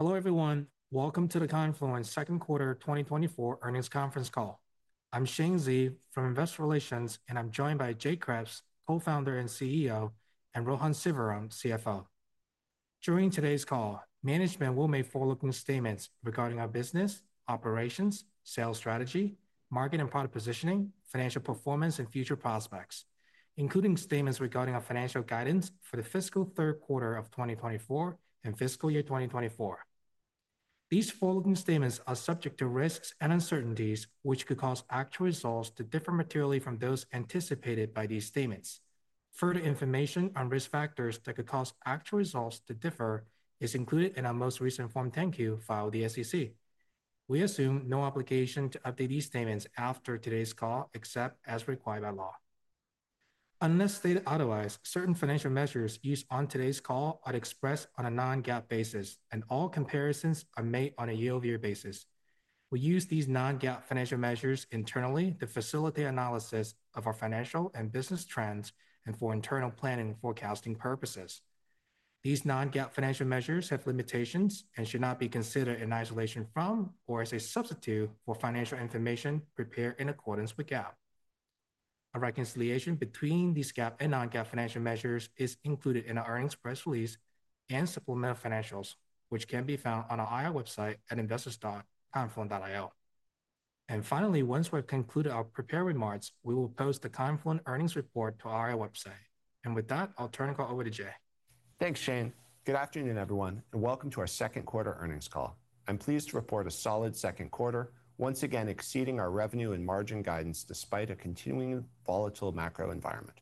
Hello everyone, welcome to the Confluent Q2 2024 Earnings Conference call. I'm Shane Xie from Investor Relations, and I'm joined by Jay Kreps, Co-founder and CEO, and Rohan Sivaram, CFO. During today's call, management will make forward-looking statements regarding our business, operations, sales strategy, market and product positioning, financial performance, and future prospects, including statements regarding our financial guidance for the fiscal Q3 of 2024 and fiscal year 2024. These forward-looking statements are subject to risks and uncertainties, which could cause actual results to differ materially from those anticipated by these statements. Further information on risk factors that could cause actual results to differ is included in our most recent Form 10-Q filed with the SEC. We assume no obligation to update these statements after today's call, except as required by law. Unless stated otherwise, certain financial measures used on today's call are expressed on a non-GAAP basis, and all comparisons are made on a year-over-year basis. We use these non-GAAP financial measures internally to facilitate analysis of our financial and business trends and for internal planning and forecasting purposes. These non-GAAP financial measures have limitations and should not be considered in isolation from or as a substitute for financial information prepared in accordance with GAAP. A reconciliation between these GAAP and non-GAAP financial measures is included in our earnings press release and supplemental financials, which can be found on our IR website at investor.confluent.io. Finally, once we've concluded our prepared remarks, we will post the Confluent earnings report to our IR website. With that, I'll turn it over to Jay. Thanks, Shane. Good afternoon, everyone, and welcome to our Q2 earnings call. I'm pleased to report a solid Q2, once again exceeding our revenue and margin guidance despite a continuing volatile macro environment.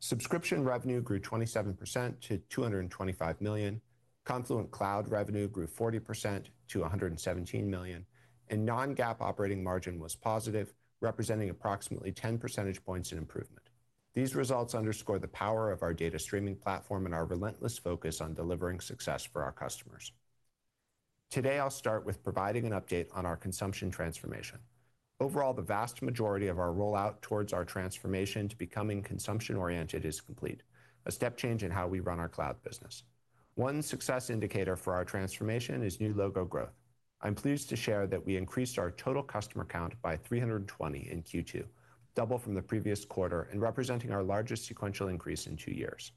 Subscription revenue grew 27% to $225 million, Confluent Cloud revenue grew 40% to $117 million, and non-GAAP operating margin was positive, representing approximately 10 percentage points in improvement. These results underscore the power of our data streaming platform and our relentless focus on delivering success for our customers. Today, I'll start with providing an update on our consumption transformation. Overall, the vast majority of our rollout towards our transformation to becoming consumption-oriented is complete, a step change in how we run our cloud business. One success indicator for our transformation is new logo growth. I'm pleased to share that we increased our total customer count by 320 in Q2, double from the previous quarter, and representing our largest sequential increase in 2 years.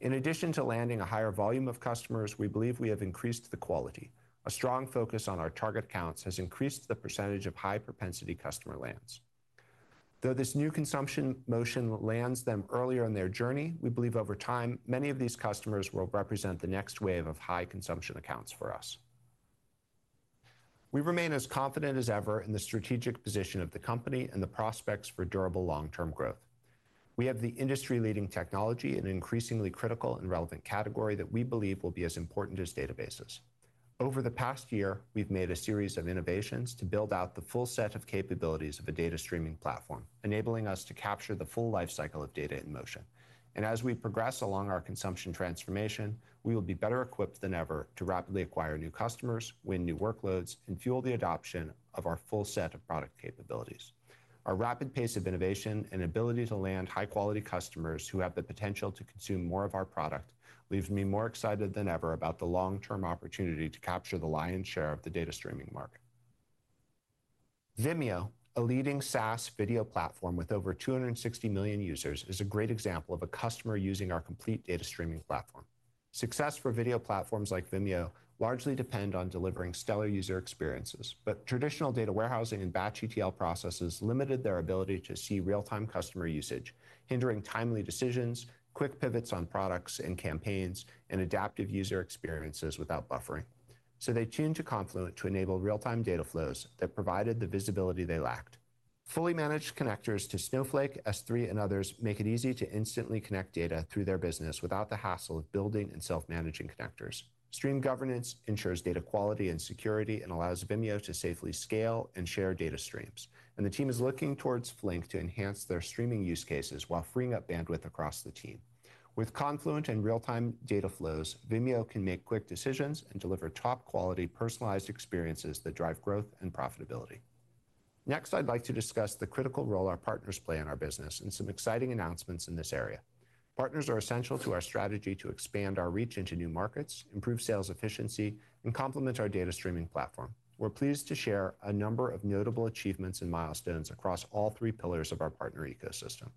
In addition to landing a higher volume of customers, we believe we have increased the quality. A strong focus on our target counts has increased the percentage of high-propensity customer lands. Though this new consumption motion lands them earlier in their journey, we believe over time many of these customers will represent the next wave of high-consumption accounts for us. We remain as confident as ever in the strategic position of the company and the prospects for durable long-term growth. We have the industry-leading technology in an increasingly critical and relevant category that we believe will be as important as databases. Over the past year, we've made a series of innovations to build out the full set of capabilities of a data streaming platform, enabling us to capture the full lifecycle of data in motion. As we progress along our consumption transformation, we will be better equipped than ever to rapidly acquire new customers, win new workloads, and fuel the adoption of our full set of product capabilities. Our rapid pace of innovation and ability to land high-quality customers who have the potential to consume more of our product leaves me more excited than ever about the long-term opportunity to capture the lion's share of the data streaming market. Vimeo, a leading SaaS video platform with over 260 million users, is a great example of a customer using our complete data streaming platform. Success for video platforms like Vimeo largely depends on delivering stellar user experiences, but traditional data warehousing and Batch ETL processes limited their ability to see real-time customer usage, hindering timely decisions, quick pivots on products and campaigns, and adaptive user experiences without buffering. So they turned to Confluent to enable real-time data flows that provided the visibility they lacked. Fully managed connectors to Snowflake, S3, and others make it easy to instantly connect data through their business without the hassle of building and self-managing connectors. Stream Governance ensures data quality and security and allows Vimeo to safely scale and share data streams. And the team is looking towards Flink to enhance their streaming use cases while freeing up bandwidth across the team. With Confluent and real-time data flows, Vimeo can make quick decisions and deliver top-quality personalized experiences that drive growth and profitability. Next, I'd like to discuss the critical role our partners play in our business and some exciting announcements in this area. Partners are essential to our strategy to expand our reach into new markets, improve sales efficiency, and complement our data streaming platform. We're pleased to share a number of notable achievements and milestones across all three pillars of our partner ecosystem.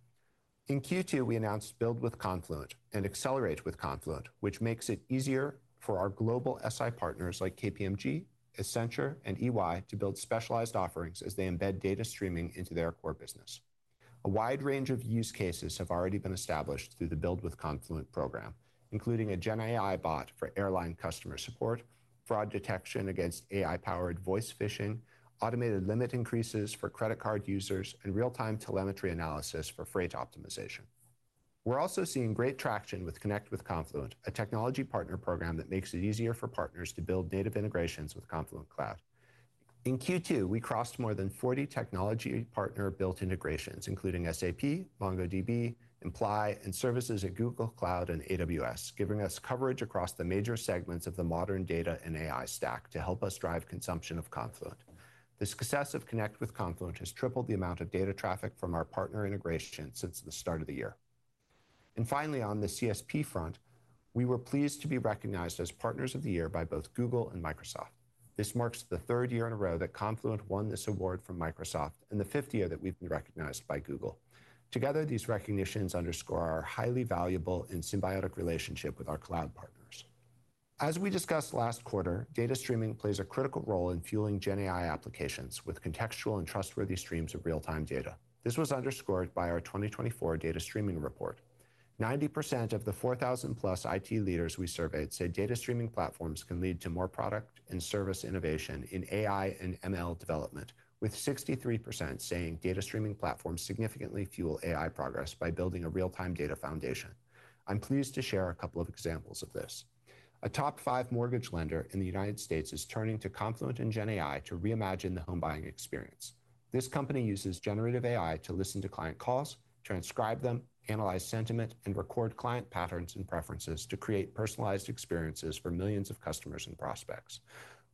In Q2, we announced Build with Confluent and Accelerate with Confluent, which makes it easier for our global SI partners like KPMG, Accenture, and EY to build specialized offerings as they embed data streaming into their core business. A wide range of use cases have already been established through the Build with Confluent program, including a GenAI bot for airline customer support, fraud detection against AI-powered voice phishing, automated limit increases for credit card users, and real-time telemetry analysis for freight optimization. We're also seeing great traction with Connect with Confluent, a technology partner program that makes it easier for partners to build native integrations with Confluent Cloud. In Q2, we crossed more than 40 technology partner-built integrations, including SAP, MongoDB, Imply, and services at Google Cloud and AWS, giving us coverage across the major segments of the modern data and AI stack to help us drive consumption of Confluent. The success of Connect with Confluent has tripled the amount of data traffic from our partner integration since the start of the year. And finally, on the CSP front, we were pleased to be recognized as Partners of the Year by both Google and Microsoft. This marks the third year in a row that Confluent won this award from Microsoft and the fifth year that we've been recognized by Google. Together, these recognitions underscore our highly valuable and symbiotic relationship with our cloud partners. As we discussed last quarter, data streaming plays a critical role in fueling GenAI applications with contextual and trustworthy streams of real-time data. This was underscored by our 2024 data streaming report. 90% of the 4,000+ IT leaders we surveyed said data streaming platforms can lead to more product and service innovation in AI and ML development, with 63% saying data streaming platforms significantly fuel AI progress by building a real-time data foundation. I'm pleased to share a couple of examples of this. A top five mortgage lender in the United States is turning to Confluent and GenAI to reimagine the home buying experience. This company uses generative AI to listen to client calls, transcribe them, analyze sentiment, and record client patterns and preferences to create personalized experiences for millions of customers and prospects.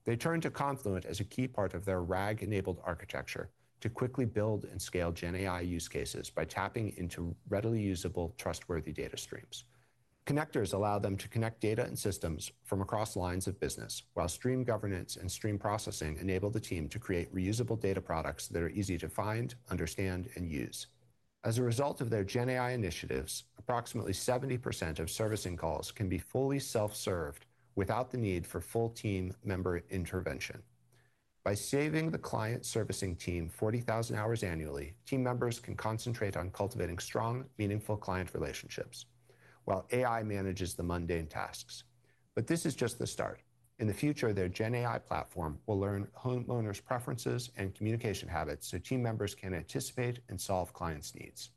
They turn to Confluent as a key part of their RAG-enabled architecture to quickly build and scale GenAI use cases by tapping into readily usable, trustworthy data streams. Connectors allow them to connect data and systems from across lines of business, while stream governance and stream processing enable the team to create reusable data products that are easy to find, understand, and use. As a result of their GenAI initiatives, approximately 70% of servicing calls can be fully self-served without the need for full team member intervention. By saving the client servicing team 40,000 hours annually, team members can concentrate on cultivating strong, meaningful client relationships, while AI manages the mundane tasks. But this is just the start. In the future, their GenAI platform will learn homeowners' preferences and communication habits so team members can anticipate and solve clients' needs.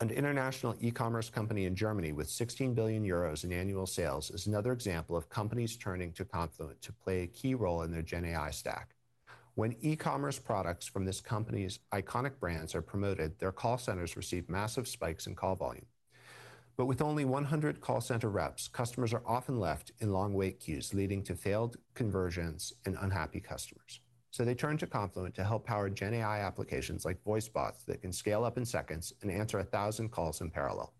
An international e-commerce company in Germany with €16 billion in annual sales is another example of companies turning to Confluent to play a key role in their GenAI stack. When e-commerce products from this company's iconic brands are promoted, their call centers receive massive spikes in call volume. But with only 100 call center reps, customers are often left in long wait queues, leading to failed conversions and unhappy customers. So they turn to Confluent to help power GenAI applications like voice bots that can scale up in seconds and answer 1,000 calls in parallel.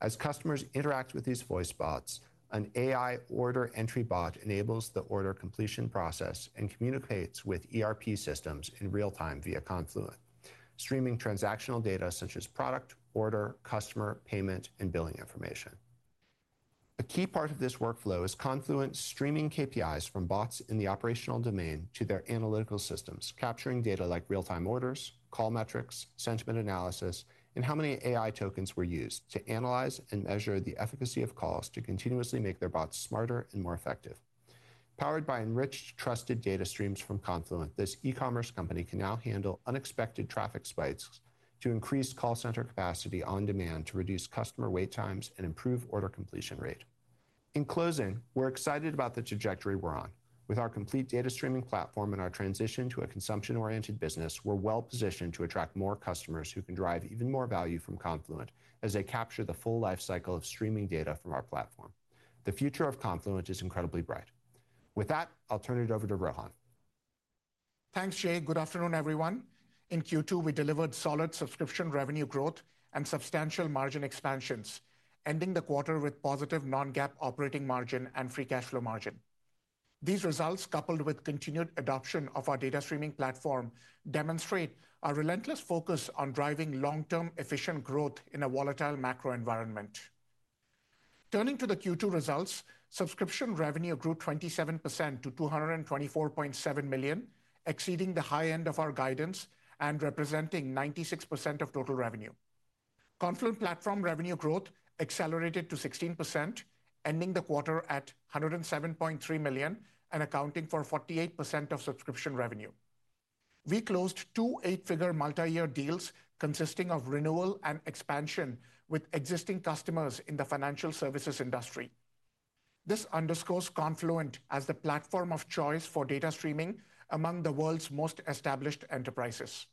As customers interact with these voice bots, an AI order entry bot enables the order completion process and communicates with ERP systems in real time via Confluent, streaming transactional data such as product, order, customer, payment, and billing information. A key part of this workflow is Confluent streaming KPIs from bots in the operational domain to their analytical systems, capturing data like real-time orders, call metrics, sentiment analysis, and how many AI tokens were used to analyze and measure the efficacy of calls to continuously make their bots smarter and more effective. Powered by enriched, trusted data streams from Confluent, this e-commerce company can now handle unexpected traffic spikes to increase call center capacity on demand to reduce customer wait times and improve order completion rate. In closing, we're excited about the trajectory we're on. With our complete data streaming platform and our transition to a consumption-oriented business, we're well positioned to attract more customers who can drive even more value from Confluent as they capture the full lifecycle of streaming data from our platform. The future of Confluent is incredibly bright. With that, I'll turn it over to Rohan. Thanks, Jay. Good afternoon, everyone. In Q2, we delivered solid subscription revenue growth and substantial margin expansions, ending the quarter with positive non-GAAP operating margin and free cash flow margin. These results, coupled with continued adoption of our data streaming platform, demonstrate our relentless focus on driving long-term efficient growth in a volatile macro environment. Turning to the Q2 results, subscription revenue grew 27% to $224.7 million, exceeding the high end of our guidance and representing 96% of total revenue. Confluent Platform revenue growth accelerated to 16%, ending the quarter at $107.3 million and accounting for 48% of subscription revenue. We closed two eight-figure multi-year deals consisting of renewal and expansion with existing customers in the financial services industry. This underscores Confluent as the platform of choice for data streaming among the world's most established enterprises.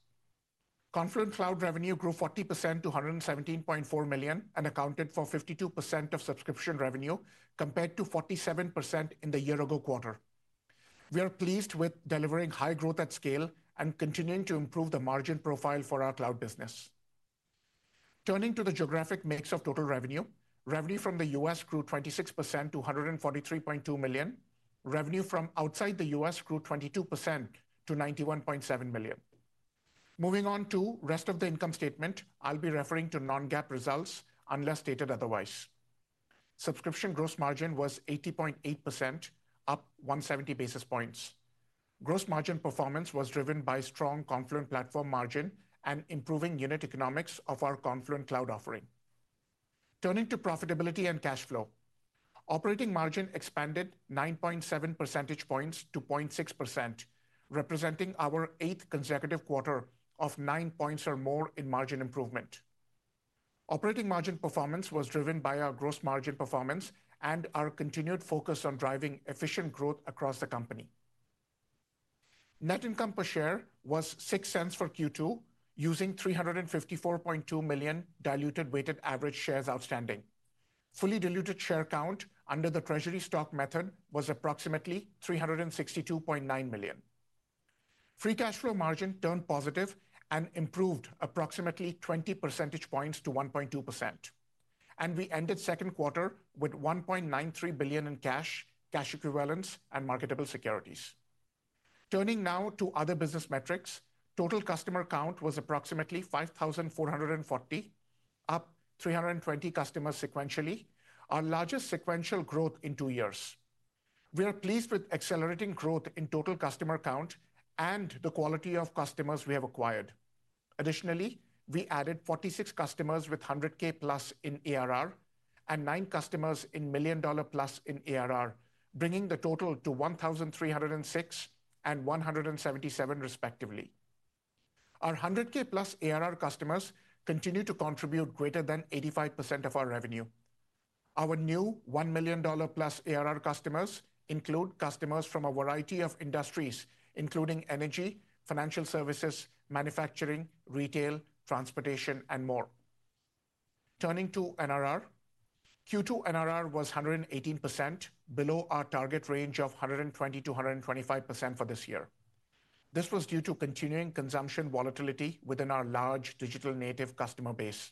Confluent Cloud revenue grew 40% to $117.4 million and accounted for 52% of subscription revenue, compared to 47% in the year-ago quarter. We are pleased with delivering high growth at scale and continuing to improve the margin profile for our cloud business. Turning to the geographic mix of total revenue, revenue from the U.S. grew 26% to $143.2 million. Revenue from outside the U.S. grew 22% to $91.7 million. Moving on to the rest of the income statement, I'll be referring to non-GAAP results unless stated otherwise. Subscription gross margin was 80.8%, up 170 basis points. Gross margin performance was driven by strong Confluent Platform margin and improving unit economics of our Confluent Cloud offering. Turning to profitability and cash flow, operating margin expanded 9.7 percentage points to 0.6%, representing our eighth consecutive quarter of nine points or more in margin improvement. Operating margin performance was driven by our gross margin performance and our continued focus on driving efficient growth across the company. Net income per share was $0.06 for Q2, using 354.2 million diluted weighted average shares outstanding. Fully diluted share count under the treasury stock method was approximately 362.9 million. Free cash flow margin turned positive and improved approximately 20 percentage points to 1.2%. We ended Q2 with $1.93 billion in cash, cash equivalents, and marketable securities. Turning now to other business metrics, total customer count was approximately 5,440, up 320 customers sequentially, our largest sequential growth in two years. We are pleased with accelerating growth in total customer count and the quality of customers we have acquired. Additionally, we added 46 customers with $100K+ in ARR and nine customers with $1 million+ in ARR, bringing the total to 1,306 and 177, respectively. Our 100K plus ARR customers continue to contribute greater than 85% of our revenue. Our new $1 million plus ARR customers include customers from a variety of industries, including energy, financial services, manufacturing, retail, transportation, and more. Turning to NRR, Q2 NRR was 118%, below our target range of 120%-125% for this year. This was due to continuing consumption volatility within our large digital native customer base.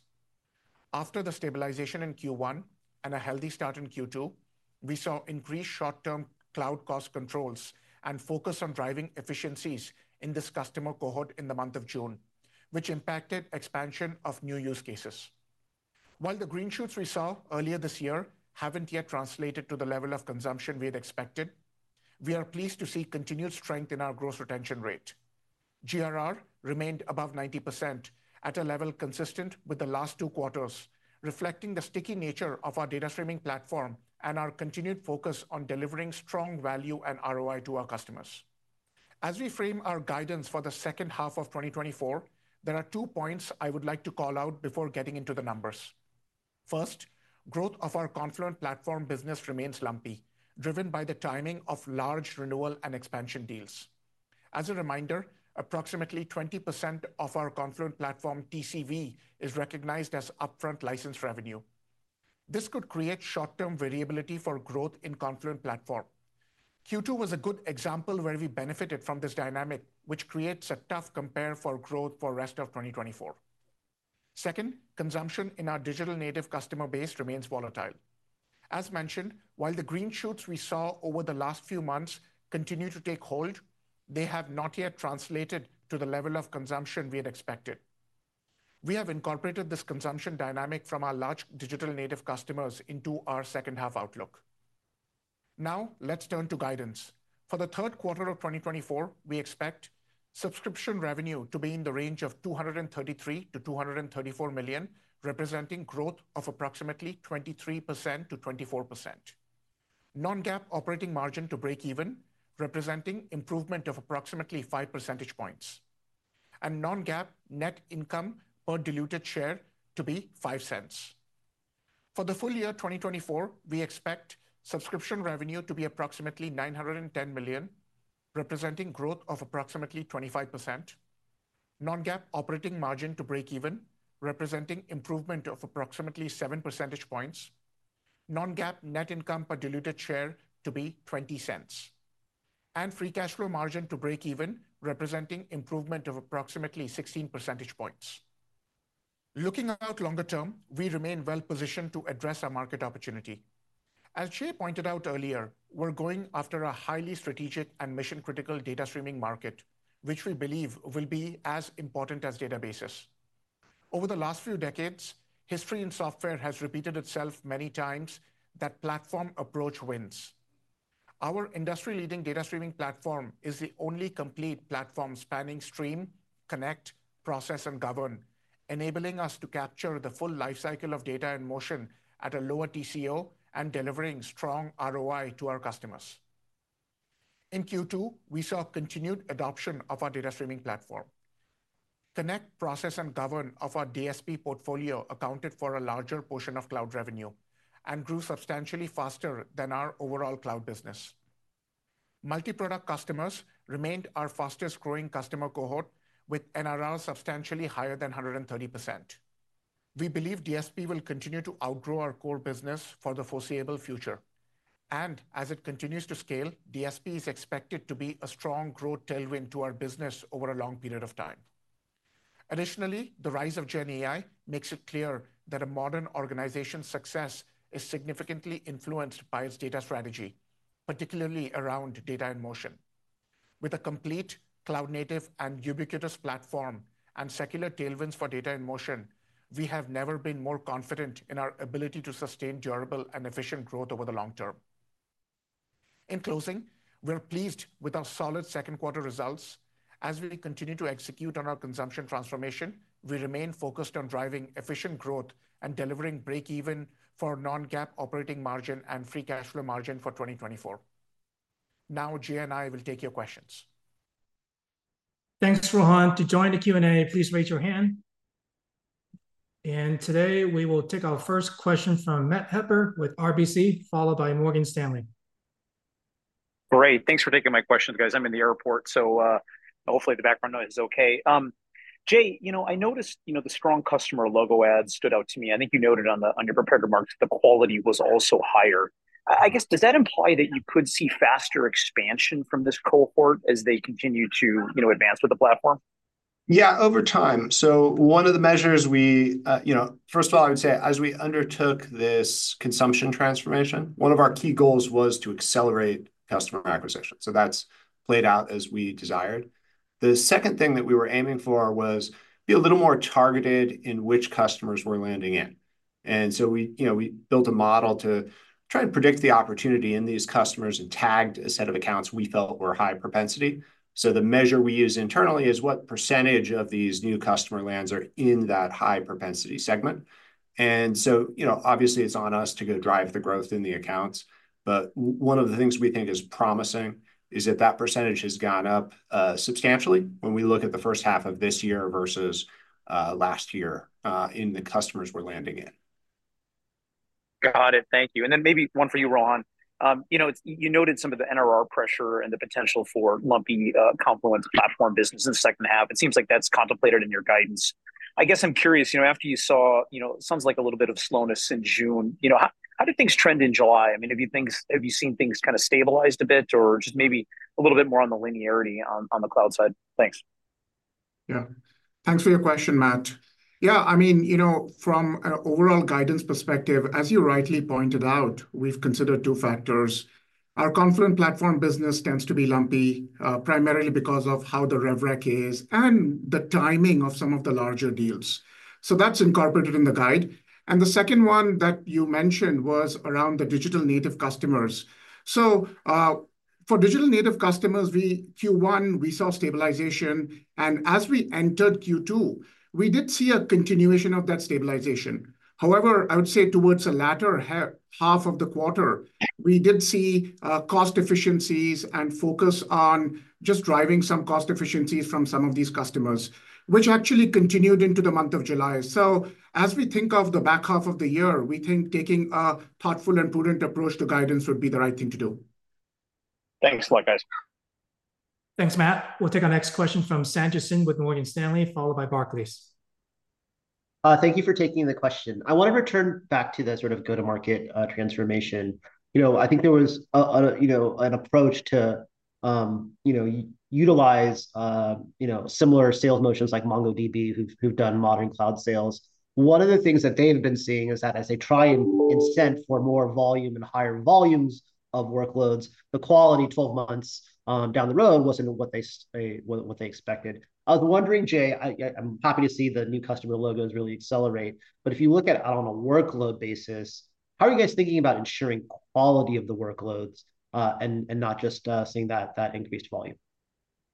After the stabilization in Q1 and a healthy start in Q2, we saw increased short-term cloud cost controls and focus on driving efficiencies in this customer cohort in the month of June, which impacted expansion of new use cases. While the green shoots we saw earlier this year haven't yet translated to the level of consumption we had expected, we are pleased to see continued strength in our gross retention rate. GRR remained above 90% at a level consistent with the last two quarters, reflecting the sticky nature of our data streaming platform and our continued focus on delivering strong value and ROI to our customers. As we frame our guidance for the second half of 2024, there are two points I would like to call out before getting into the numbers. First, growth of our Confluent Platform business remains lumpy, driven by the timing of large renewal and expansion deals. As a reminder, approximately 20% of our Confluent Platform TCV is recognized as upfront license revenue. This could create short-term variability for growth in Confluent Platform. Q2 was a good example where we benefited from this dynamic, which creates a tough compare for growth for the rest of 2024. Second, consumption in our digital native customer base remains volatile. As mentioned, while the green shoots we saw over the last few months continue to take hold, they have not yet translated to the level of consumption we had expected. We have incorporated this consumption dynamic from our large digital native customers into our second-half outlook. Now, let's turn to guidance. For the Q3 of 2024, we expect subscription revenue to be in the range of $233 million-$234 million, representing growth of approximately 23%-24%. Non-GAAP operating margin to break even, representing improvement of approximately 5 percentage points. And non-GAAP net income per diluted share to be $0.05. For the full year 2024, we expect subscription revenue to be approximately $910 million, representing growth of approximately 25%. Non-GAAP operating margin to break even, representing improvement of approximately 7 percentage points. Non-GAAP net income per diluted share to be $0.20. Free cash flow margin to break even, representing improvement of approximately 16 percentage points. Looking out longer term, we remain well positioned to address our market opportunity. As Jay pointed out earlier, we're going after a highly strategic and mission-critical data streaming market, which we believe will be as important as databases. Over the last few decades, history in software has repeated itself many times that platform approach wins. Our industry-leading data streaming platform is the only complete platform spanning stream, connect, process, and govern, enabling us to capture the full lifecycle of data in motion at a lower TCO and delivering strong ROI to our customers. In Q2, we saw continued adoption of our data streaming platform. Connect, process, and govern of our DSP portfolio accounted for a larger portion of cloud revenue and grew substantially faster than our overall cloud business. Multi-product customers remained our fastest-growing customer cohort, with NRR substantially higher than 130%. We believe DSP will continue to outgrow our core business for the foreseeable future. As it continues to scale, DSP is expected to be a strong growth tailwind to our business over a long period of time. Additionally, the rise of GenAI makes it clear that a modern organization's success is significantly influenced by its data strategy, particularly around data in motion. With a complete cloud-native and ubiquitous platform and secular tailwinds for data in motion, we have never been more confident in our ability to sustain durable and efficient growth over the long term. In closing, we're pleased with our solid Q2 results. As we continue to execute on our consumption transformation, we remain focused on driving efficient growth and delivering break even for non-GAAP operating margin and free cash flow margin for 2024.Now, Jay and I will take your questions. Thanks, Rohan. To join the Q&A, please raise your hand. Today, we will take our first question from Matt Hedberg with RBC, followed by Morgan Stanley. Great. Thanks for taking my questions, guys. I'm in the airport, so hopefully the background noise is okay. Jay, you know I noticed you know the strong customer logo add stood out to me. I think you noted on your prepared remarks, the quality was also higher. I guess, does that imply that you could see faster expansion from this cohort as they continue to advance with the platform? Yeah, over time. So one of the measures we, first of all, I would say, as we undertook this consumption transformation, one of our key goals was to accelerate customer acquisition. So that's played out as we desired. The second thing that we were aiming for was to be a little more targeted in which customers we're landing in. And so we built a model to try and predict the opportunity in these customers and tagged a set of accounts we felt were high propensity. So the measure we use internally is what percentage of these new customer lands are in that high propensity segment. And so obviously, it's on us to go drive the growth in the accounts. One of the things we think is promising is that that percentage has gone up substantially when we look at the first half of this year versus last year in the customers we're landing in. Got it. Thank you. And then maybe one for you, Rohan. You noted some of the NRR pressure and the potential for lumpy Confluent platform business in the second half. It seems like that's contemplated in your guidance. I guess I'm curious, after you saw, it sounds like a little bit of slowness in June, how did things trend in July? I mean, have you seen things kind of stabilize a bit or just maybe a little bit more on the linearity on the cloud side? Thanks. Yeah. Thanks for your question, Matt. Yeah, I mean, you know from an overall guidance perspective, as you rightly pointed out, we've considered two factors. Our Confluent Platform business tends to be lumpy primarily because of how the rubric is and the timing of some of the larger deals. So that's incorporated in the guide. And the second one that you mentioned was around the digital native customers. So for digital native customers, Q1, we saw stabilization. And as we entered Q2, we did see a continuation of that stabilization. However, I would say towards the latter half of the quarter, we did see cost efficiencies and focus on just driving some cost efficiencies from some of these customers, which actually continued into the month of July. As we think of the back half of the year, we think taking a thoughtful and prudent approach to guidance would be the right thing to do. Thanks. Likewise. Thanks, Matt. We'll take our next question from Sanjit with Morgan Stanley, followed by Barclays. Thank you for taking the question. I want to return back to the sort of go-to-market transformation. I think there was an approach to utilize similar sales motions like MongoDB, who've done modern cloud sales. One of the things that they've been seeing is that as they try and incent for more volume and higher volumes of workloads, the quality 12 months down the road wasn't what they expected. I was wondering, Jay, I'm happy to see the new customer logos really accelerate. But if you look at it on a workload basis, how are you guys thinking about ensuring quality of the workloads and not just seeing that increased volume?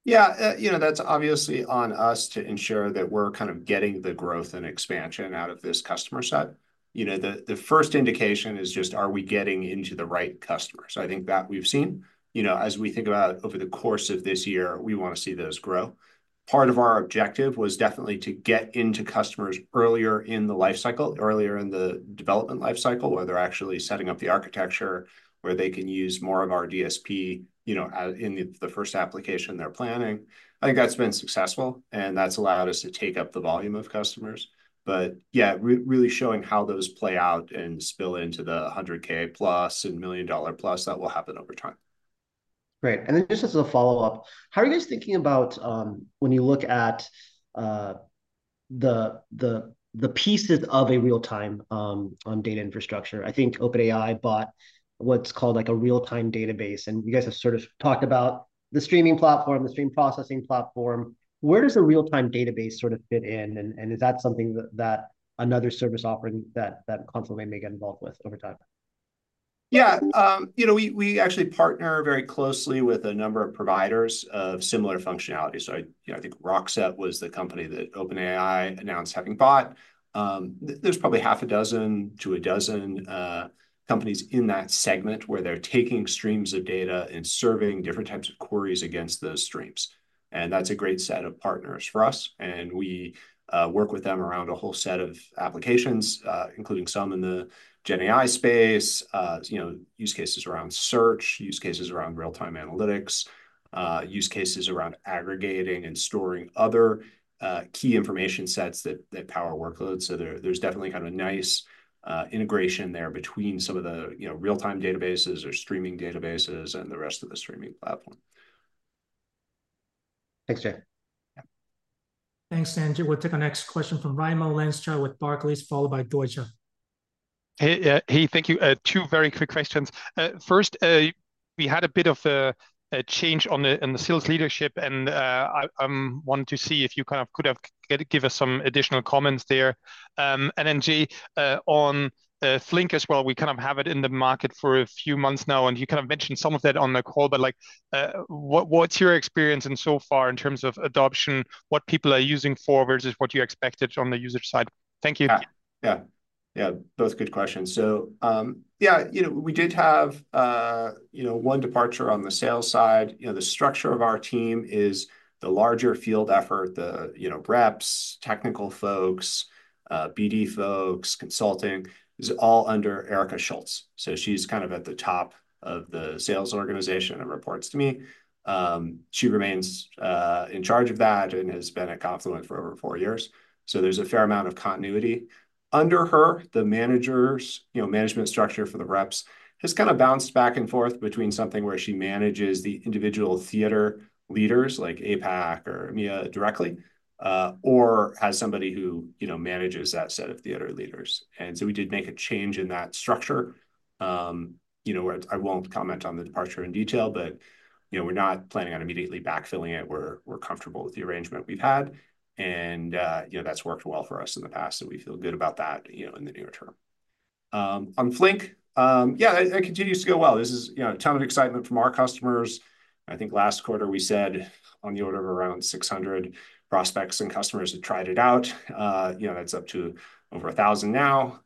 Yeah, you know that's obviously on us to ensure that we're kind of getting the growth and expansion out of this customer set. You know the first indication is just, are we getting into the right customers? I think that we've seen, you know as we think about over the course of this year, we want to see those grow. Part of our objective was definitely to get into customers earlier in the lifecycle, earlier in the development lifecycle, where they're actually setting up the architecture, where they can use more of our DSP in the first application they're planning. I think that's been successful, and that's allowed us to take up the volume of customers. But yeah, really showing how those play out and spill into the $100K plus and $1 million plus, that will happen over time. Great. And then just as a follow-up, how are you guys thinking about when you look at the pieces of a real-time data infrastructure? I think OpenAI bought what's called like a real-time database. And you guys have sort of talked about the streaming platform, the stream processing platform. Where does a real-time database sort of fit in? And is that something that another service offering that Confluent may get involved with over time? Yeah. You know we actually partner very closely with a number of providers of similar functionality. So I think Rockset was the company that OpenAI announced having bought. There's probably half a dozen to a dozen companies in that segment where they're taking streams of data and serving different types of queries against those streams. And that's a great set of partners for us. And we work with them around a whole set of applications, including some in the GenAI space, use cases around search, use cases around real-time analytics, use cases around aggregating and storing other key information sets that power workloads. So there's definitely kind of a nice integration there between some of the real-time databases or streaming databases and the rest of the streaming platform. Thanks, Jay. Thanks, Shane. We'll take our next question from Raimo Lenschow with Barclays, followed by Deutsche. Hey, thank you. Two very quick questions. First, we had a bit of a change on the sales leadership, and I wanted to see if you kind of could have given us some additional comments there. And then, Jay, on Flink as well, we kind of have it in the market for a few months now, and you kind of mentioned some of that on the call. But what's your experience in so far in terms of adoption, what people are using for versus what you expected on the user side? Thank you. Yeah. Yeah, those are good questions. So yeah, we did have one departure on the sales side. The structure of our team is the larger field effort, the reps, technical folks, BD folks, consulting, is all under Erica Schultz. So she's kind of at the top of the sales organization and reports to me. She remains in charge of that and has been at Confluent for over four years. So there's a fair amount of continuity. Under her, the management structure for the reps has kind of bounced back and forth between something where she manages the individual theater leaders like APAC or EMEA directly, or has somebody who manages that set of theater leaders. And so we did make a change in that structure. I won't comment on the departure in detail, but we're not planning on immediately backfilling it. We're comfortable with the arrangement we've had. That's worked well for us in the past, and we feel good about that in the near term. On Flink, yeah, that continues to go well. This is a ton of excitement from our customers. I think last quarter, we said on the order of around 600 prospects and customers had tried it out. That's up to over 1,000 now.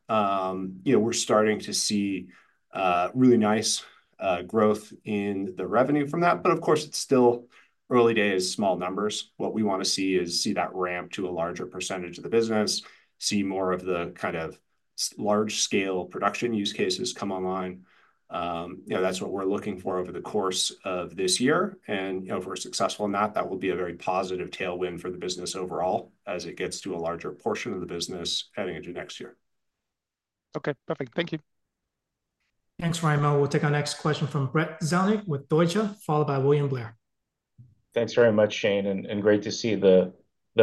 We're starting to see really nice growth in the revenue from that. But of course, it's still early days, small numbers. What we want to see is that ramp to a larger percentage of the business, see more of the kind of large-scale production use cases come online. That's what we're looking for over the course of this year. If we're successful in that, that will be a very positive tailwind for the business overall as it gets to a larger portion of the business heading into next year. OK, perfect. Thank you. Thanks, Ryan Moe. We'll take our next question from Brett Zelnick with Deutsche Bank, followed by William Blair. Thanks very much, Shane. Great to see the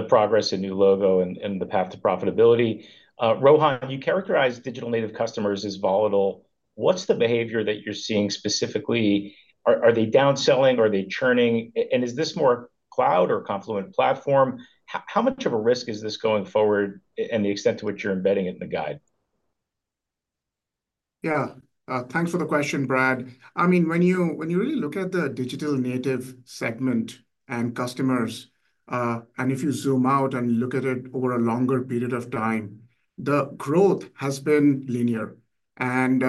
progress in new logo and the path to profitability. Rohan, you characterize digital native customers as volatile. What's the behavior that you're seeing specifically? Are they downselling? Are they churning? And is this more cloud or Confluent Platform? How much of a risk is this going forward and the extent to which you're embedding it in the guide? Yeah, thanks for the question, Brad. I mean, when you really look at the digital native segment and customers, and if you zoom out and look at it over a longer period of time, the growth has been linear. And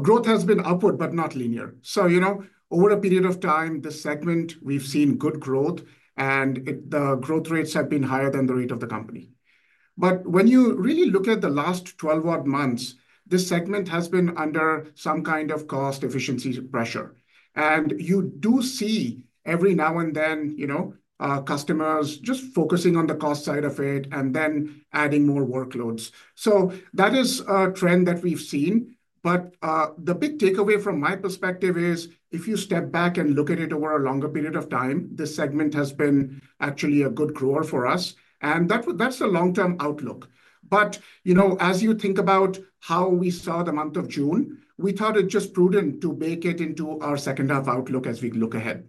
growth has been upward, but not linear. So over a period of time, this segment, we've seen good growth, and the growth rates have been higher than the rate of the company. But when you really look at the last 12-odd months, this segment has been under some kind of cost efficiency pressure. And you do see every now and then customers just focusing on the cost side of it and then adding more workloads. So that is a trend that we've seen. But the big takeaway from my perspective is if you step back and look at it over a longer period of time, this segment has been actually a good grower for us. And that's the long-term outlook. But as you think about how we saw the month of June, we thought it's just prudent to bake it into our second-half outlook as we look ahead.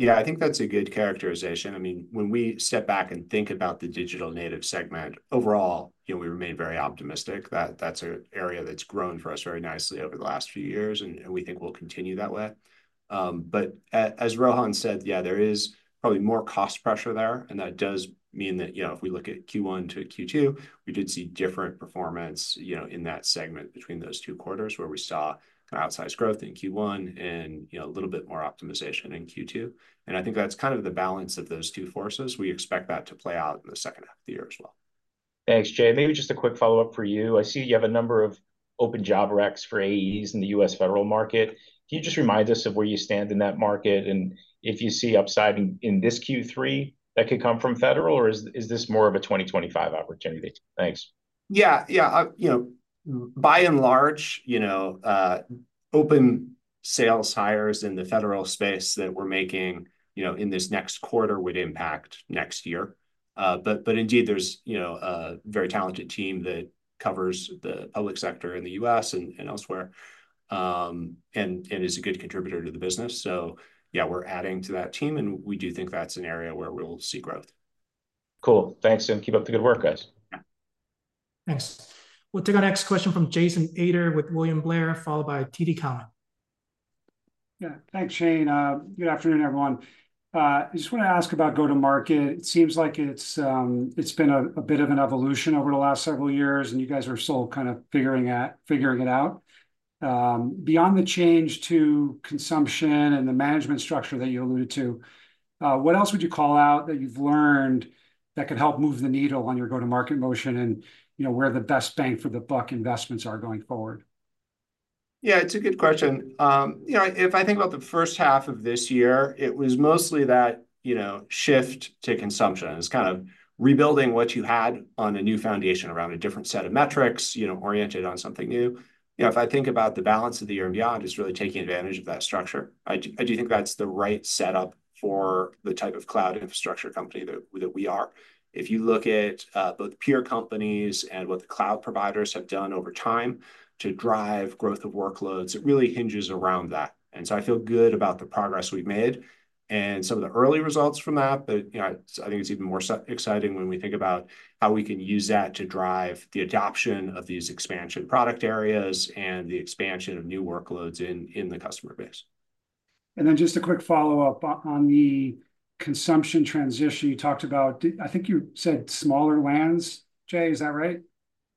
Yeah, I think that's a good characterization. I mean, when we step back and think about the digital native segment overall, we remain very optimistic. That's an area that's grown for us very nicely over the last few years, and we think we'll continue that way. But as Rohan said, yeah, there is probably more cost pressure there. And that does mean that if we look at Q1 to Q2, we did see different performance in that segment between those two quarters where we saw outsized growth in Q1 and a little bit more optimization in Q2. And I think that's kind of the balance of those two forces. We expect that to play out in the second half of the year as well. Thanks, Jay. Maybe just a quick follow-up for you. I see you have a number of open job recs for AEs in the U.S. federal market. Can you just remind us of where you stand in that market? And if you see upside in this Q3, that could come from federal, or is this more of a 2025 opportunity? Thanks. Yeah, yeah. By and large, open sales hires in the federal space that we're making in this next quarter would impact next year. But indeed, there's a very talented team that covers the public sector in the U.S. and elsewhere and is a good contributor to the business. So yeah, we're adding to that team, and we do think that's an area where we'll see growth. Cool. Thanks, and keep up the good work, guys. Thanks. We'll take our next question from Jason Ader with William Blair, followed by TD Cowen. Yeah, thanks, Shane. Good afternoon, everyone. I just want to ask about go-to-market. It seems like it's been a bit of an evolution over the last several years, and you guys are still kind of figuring it out. Beyond the change to consumption and the management structure that you alluded to, what else would you call out that you've learned that could help move the needle on your go-to-market motion and where the best bang for the buck investments are going forward? Yeah, it's a good question. If I think about the first half of this year, it was mostly that shift to consumption. It's kind of rebuilding what you had on a new foundation around a different set of metrics, oriented on something new. If I think about the balance of the year and beyond, it's really taking advantage of that structure. I do think that's the right setup for the type of cloud infrastructure company that we are. If you look at both peer companies and what the cloud providers have done over time to drive growth of workloads, it really hinges around that. And so I feel good about the progress we've made and some of the early results from that. I think it's even more exciting when we think about how we can use that to drive the adoption of these expansion product areas and the expansion of new workloads in the customer base. Just a quick follow-up on the consumption transition you talked about. I think you said smaller lands, Jay, is that right?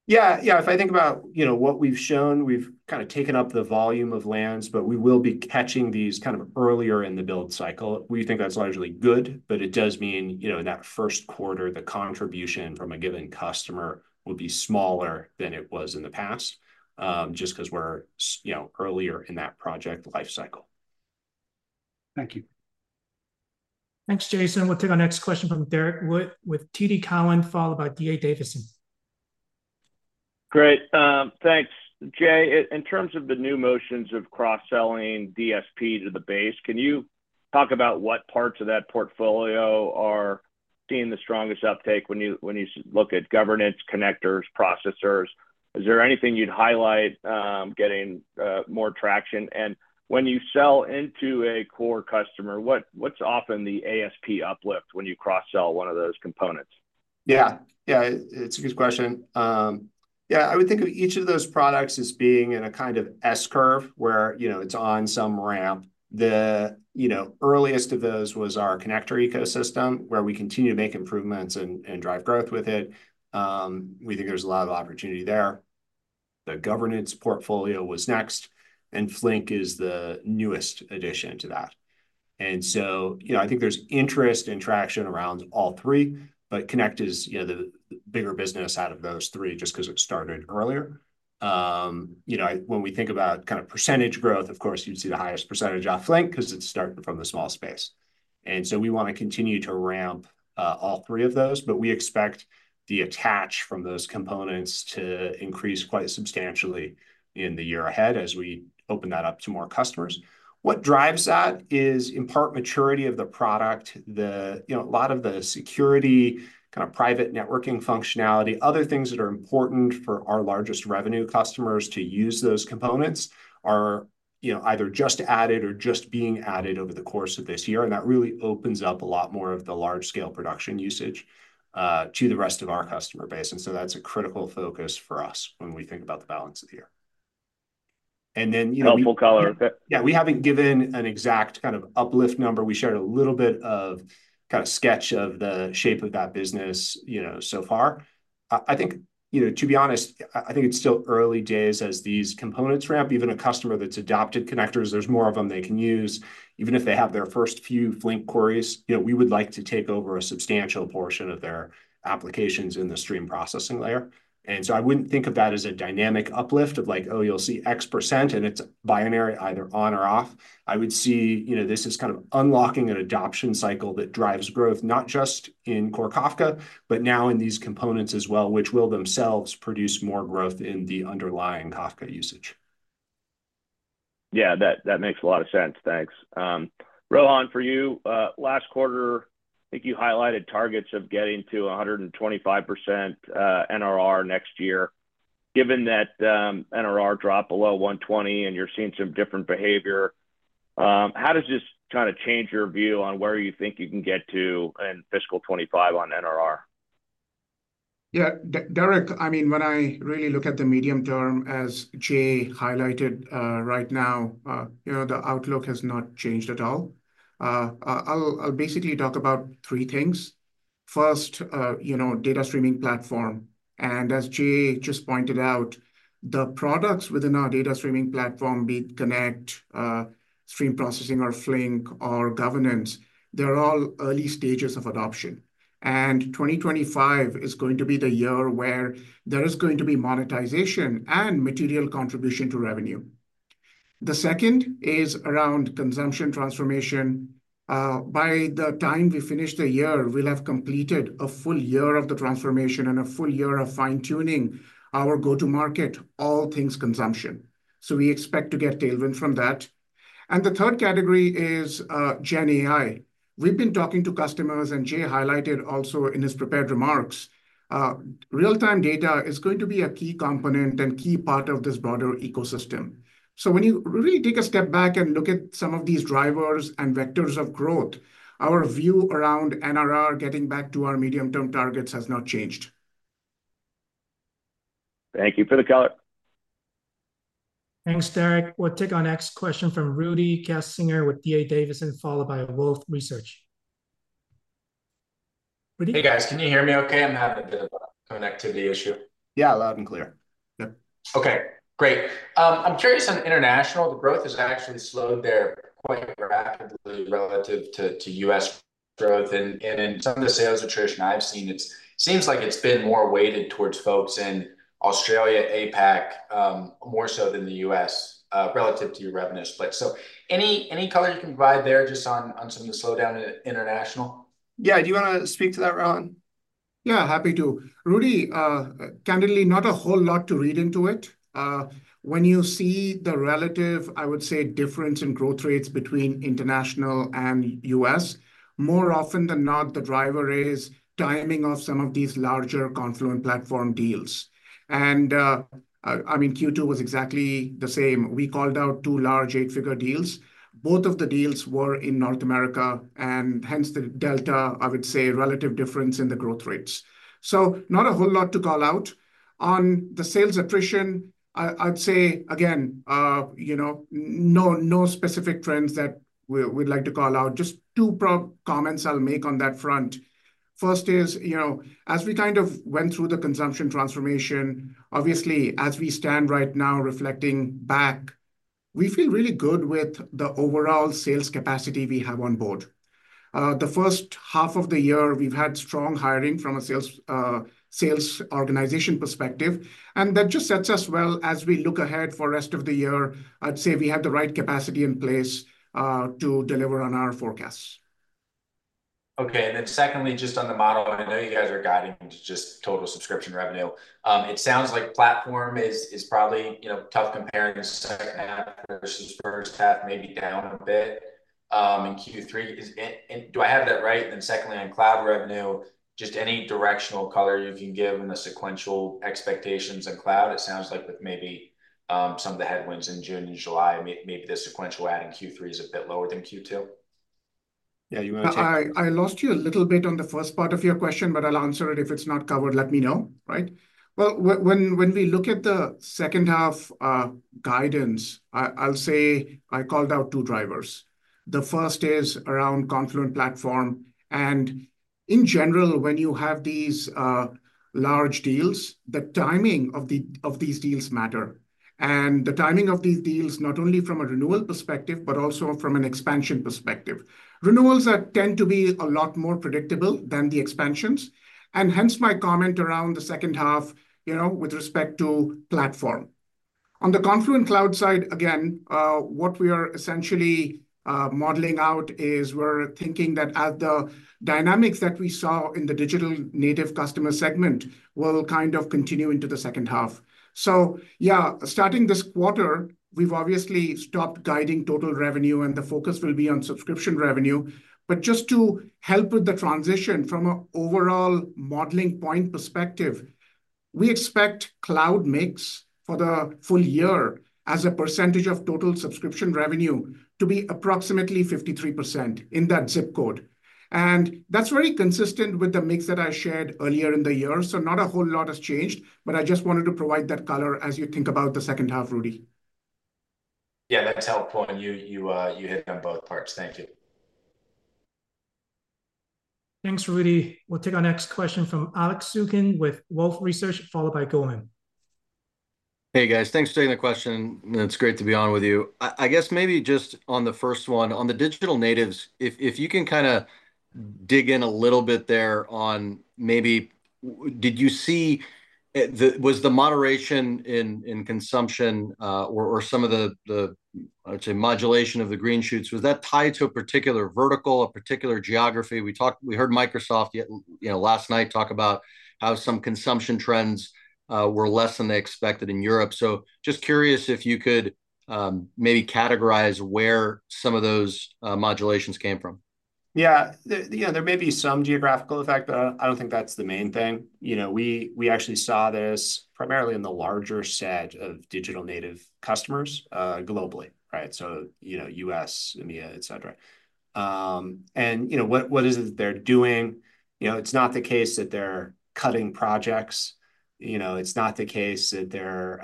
Yeah, yeah. If I think about what we've shown, we've kind of taken up the volume of lands, but we will be catching these kind of earlier in the build cycle. We think that's largely good, but it does mean in that Q1, the contribution from a given customer will be smaller than it was in the past just because we're earlier in that project lifecycle. Thank you. Thanks, Jason. We'll take our next question from Derek Wood with TD Cowen, followed by D.A. Davidson. Great. Thanks, Jay. In terms of the new motions of cross-selling DSP to the base, can you talk about what parts of that portfolio are seeing the strongest uptake when you look at governance, connectors, processors? Is there anything you'd highlight getting more traction? And when you sell into a core customer, what's often the ASP uplift when you cross-sell one of those components? Yeah, yeah. It's a good question. Yeah, I would think of each of those products as being in a kind of S curve where it's on some ramp. The earliest of those was our connector ecosystem, where we continue to make improvements and drive growth with it. We think there's a lot of opportunity there. The governance portfolio was next, and Flink is the newest addition to that. And so I think there's interest and traction around all three, but Connect is the bigger business out of those three just because it started earlier. When we think about kind of percentage growth, of course, you'd see the highest percentage off Flink because it's starting from the small space. And so we want to continue to ramp all three of those, but we expect the attach from those components to increase quite substantially in the year ahead as we open that up to more customers. What drives that is, in part, maturity of the product. A lot of the security, kind of private networking functionality, other things that are important for our largest revenue customers to use those components are either just added or just being added over the course of this year. And that really opens up a lot more of the large-scale production usage to the rest of our customer base. And so that's a critical focus for us when we think about the balance of the year. And then. Helpful color. Yeah, we haven't given an exact kind of uplift number. We shared a little bit of kind of sketch of the shape of that business so far. I think, to be honest, I think it's still early days as these components ramp. Even a customer that's adopted Connectors, there's more of them they can use. Even if they have their first few Flink queries, we would like to take over a substantial portion of their applications in the stream processing layer. And so I wouldn't think of that as a dynamic uplift of like, oh, you'll see X%, and it's binary either on or off. I would see this is kind of unlocking an adoption cycle that drives growth, not just in core Kafka, but now in these components as well, which will themselves produce more growth in the underlying Kafka usage. Yeah, that makes a lot of sense. Thanks. Rohan, for you, last quarter, I think you highlighted targets of getting to 125% NRR next year. Given that NRR dropped below 120% and you're seeing some different behavior, how does this kind of change your view on where you think you can get to in fiscal 2025 on NRR? Yeah, Derek, I mean, when I really look at the medium term, as Jay highlighted right now, the outlook has not changed at all. I'll basically talk about three things. First, Data Streaming Platform. And as Jay just pointed out, the products within our Data Streaming Platform, be it Connect, Stream Processing, or Flink, or Governance, they're all early stages of adoption. And 2025 is going to be the year where there is going to be monetization and material contribution to revenue. The second is around consumption transformation. By the time we finish the year, we'll have completed a full year of the transformation and a full year of fine-tuning our go-to-market, all things consumption. So we expect to get tailwind from that. And the third category is Gen AI. We've been talking to customers, and Jay highlighted also in his prepared remarks, real-time data is going to be a key component and key part of this broader ecosystem. So when you really take a step back and look at some of these drivers and vectors of growth, our view around NRR getting back to our medium-term targets has not changed. Thank you. Appreciate the color Thanks, Derek. We'll take our next question from Rudy Kessinger with D.A. Davidson, followed by Wolfe Research. Hey, guys. Can you hear me OK? I'm having a bit of a connectivity issue. Yeah, loud and clear. OK, great. I'm curious, on international, the growth has actually slowed there quite rapidly relative to U.S. growth. And in some of the sales attrition I've seen, it seems like it's been more weighted towards folks in Australia, APAC, more so than the U.S. relative to your revenue split. So any color you can provide there just on some of the slowdown in international? Yeah, do you want to speak to that, Rohan? Yeah, happy to. Rudy, candidly, not a whole lot to read into it. When you see the relative, I would say, difference in growth rates between international and U.S., more often than not, the driver is timing of some of these larger Confluent Platform deals. And I mean, Q2 was exactly the same. We called out two large eight-figure deals. Both of the deals were in North America, and hence the delta, I would say, relative difference in the growth rates. So not a whole lot to call out. On the sales attrition, I'd say, again, no specific trends that we'd like to call out. Just two comments I'll make on that front. First is, as we kind of went through the consumption transformation, obviously, as we stand right now reflecting back, we feel really good with the overall sales capacity we have on board. The first half of the year, we've had strong hiring from a sales organization perspective. That just sets us well as we look ahead for the rest of the year. I'd say we have the right capacity in place to deliver on our forecasts. OK, and then secondly, just on the model, I know you guys are guiding to just total subscription revenue. It sounds like platform is probably tough comparing second half versus first half, maybe down a bit in Q3. Do I have that right? And then secondly, on cloud revenue, just any directional color you can give in the sequential expectations in cloud, it sounds like with maybe some of the headwinds in June and July, maybe the sequential add in Q3 is a bit lower than Q2. Yeah, you want to take? I lost you a little bit on the first part of your question, but I'll answer it. If it's not covered, let me know, right? Well, when we look at the second half guidance, I'll say I called out two drivers. The first is around Confluent Platform. And in general, when you have these large deals, the timing of these deals matter. And the timing of these deals, not only from a renewal perspective, but also from an expansion perspective. Renewals tend to be a lot more predictable than the expansions. And hence my comment around the second half with respect to platform. On the Confluent Cloud side, again, what we are essentially modeling out is we're thinking that the dynamics that we saw in the digital native customer segment will kind of continue into the second half. So yeah, starting this quarter, we've obviously stopped guiding total revenue, and the focus will be on subscription revenue. But just to help with the transition from an overall modeling point perspective, we expect cloud mix for the full year as a percentage of total subscription revenue to be approximately 53% in that zip code. And that's very consistent with the mix that I shared earlier in the year. So not a whole lot has changed, but I just wanted to provide that color as you think about the second half, Rudy. Yeah, that's helpful. And you hit on both parts. Thank you. Thanks, Rudy. We'll take our next question from Alex Zukin with Wolfe Research, followed by Goldman. Hey, guys. Thanks for taking the question. It's great to be on with you. I guess maybe just on the first one, on the digital natives, if you can kind of dig in a little bit there on maybe did you see was the moderation in consumption or some of the, I'd say, modulation of the green shoots, was that tied to a particular vertical, a particular geography? We heard Microsoft last night talk about how some consumption trends were less than they expected in Europe. So just curious if you could maybe categorize where some of those modulations came from? Yeah, there may be some geographical effect, but I don't think that's the main thing. We actually saw this primarily in the larger set of digital native customers globally, right? So US, EMEA, et cetera. What is it that they're doing? It's not the case that they're cutting projects. It's not the case that they're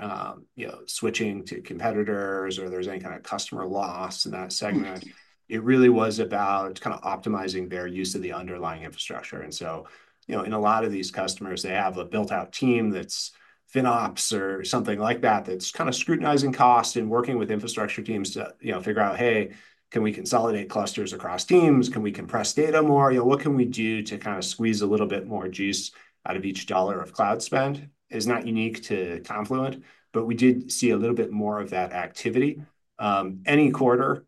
switching to competitors or there's any kind of customer loss in that segment. It really was about kind of optimizing their use of the underlying infrastructure. So in a lot of these customers, they have a built-out team that's FinOps or something like that that's kind of scrutinizing costs and working with infrastructure teams to figure out, hey, can we consolidate clusters across teams? Can we compress data more? What can we do to kind of squeeze a little bit more juice out of each dollar of cloud spend? It's not unique to Confluent, but we did see a little bit more of that activity. Any quarter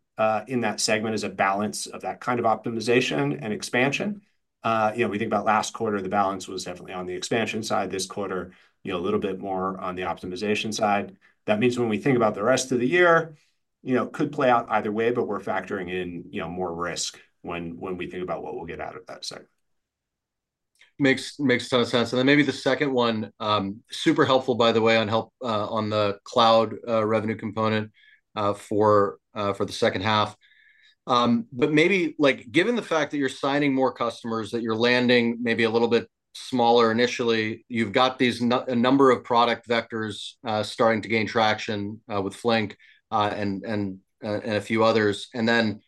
in that segment is a balance of that kind of optimization and expansion. We think about last quarter, the balance was definitely on the expansion side. This quarter, a little bit more on the optimization side. That means when we think about the rest of the year, it could play out either way, but we're factoring in more risk when we think about what we'll get out of that segment. Makes a ton of sense. And then maybe the second one, super helpful, by the way, on the cloud revenue component for the second half. But maybe given the fact that you're signing more customers, that you're landing maybe a little bit smaller initially, you've got a number of product vectors starting to gain traction with Flink and a few others. And then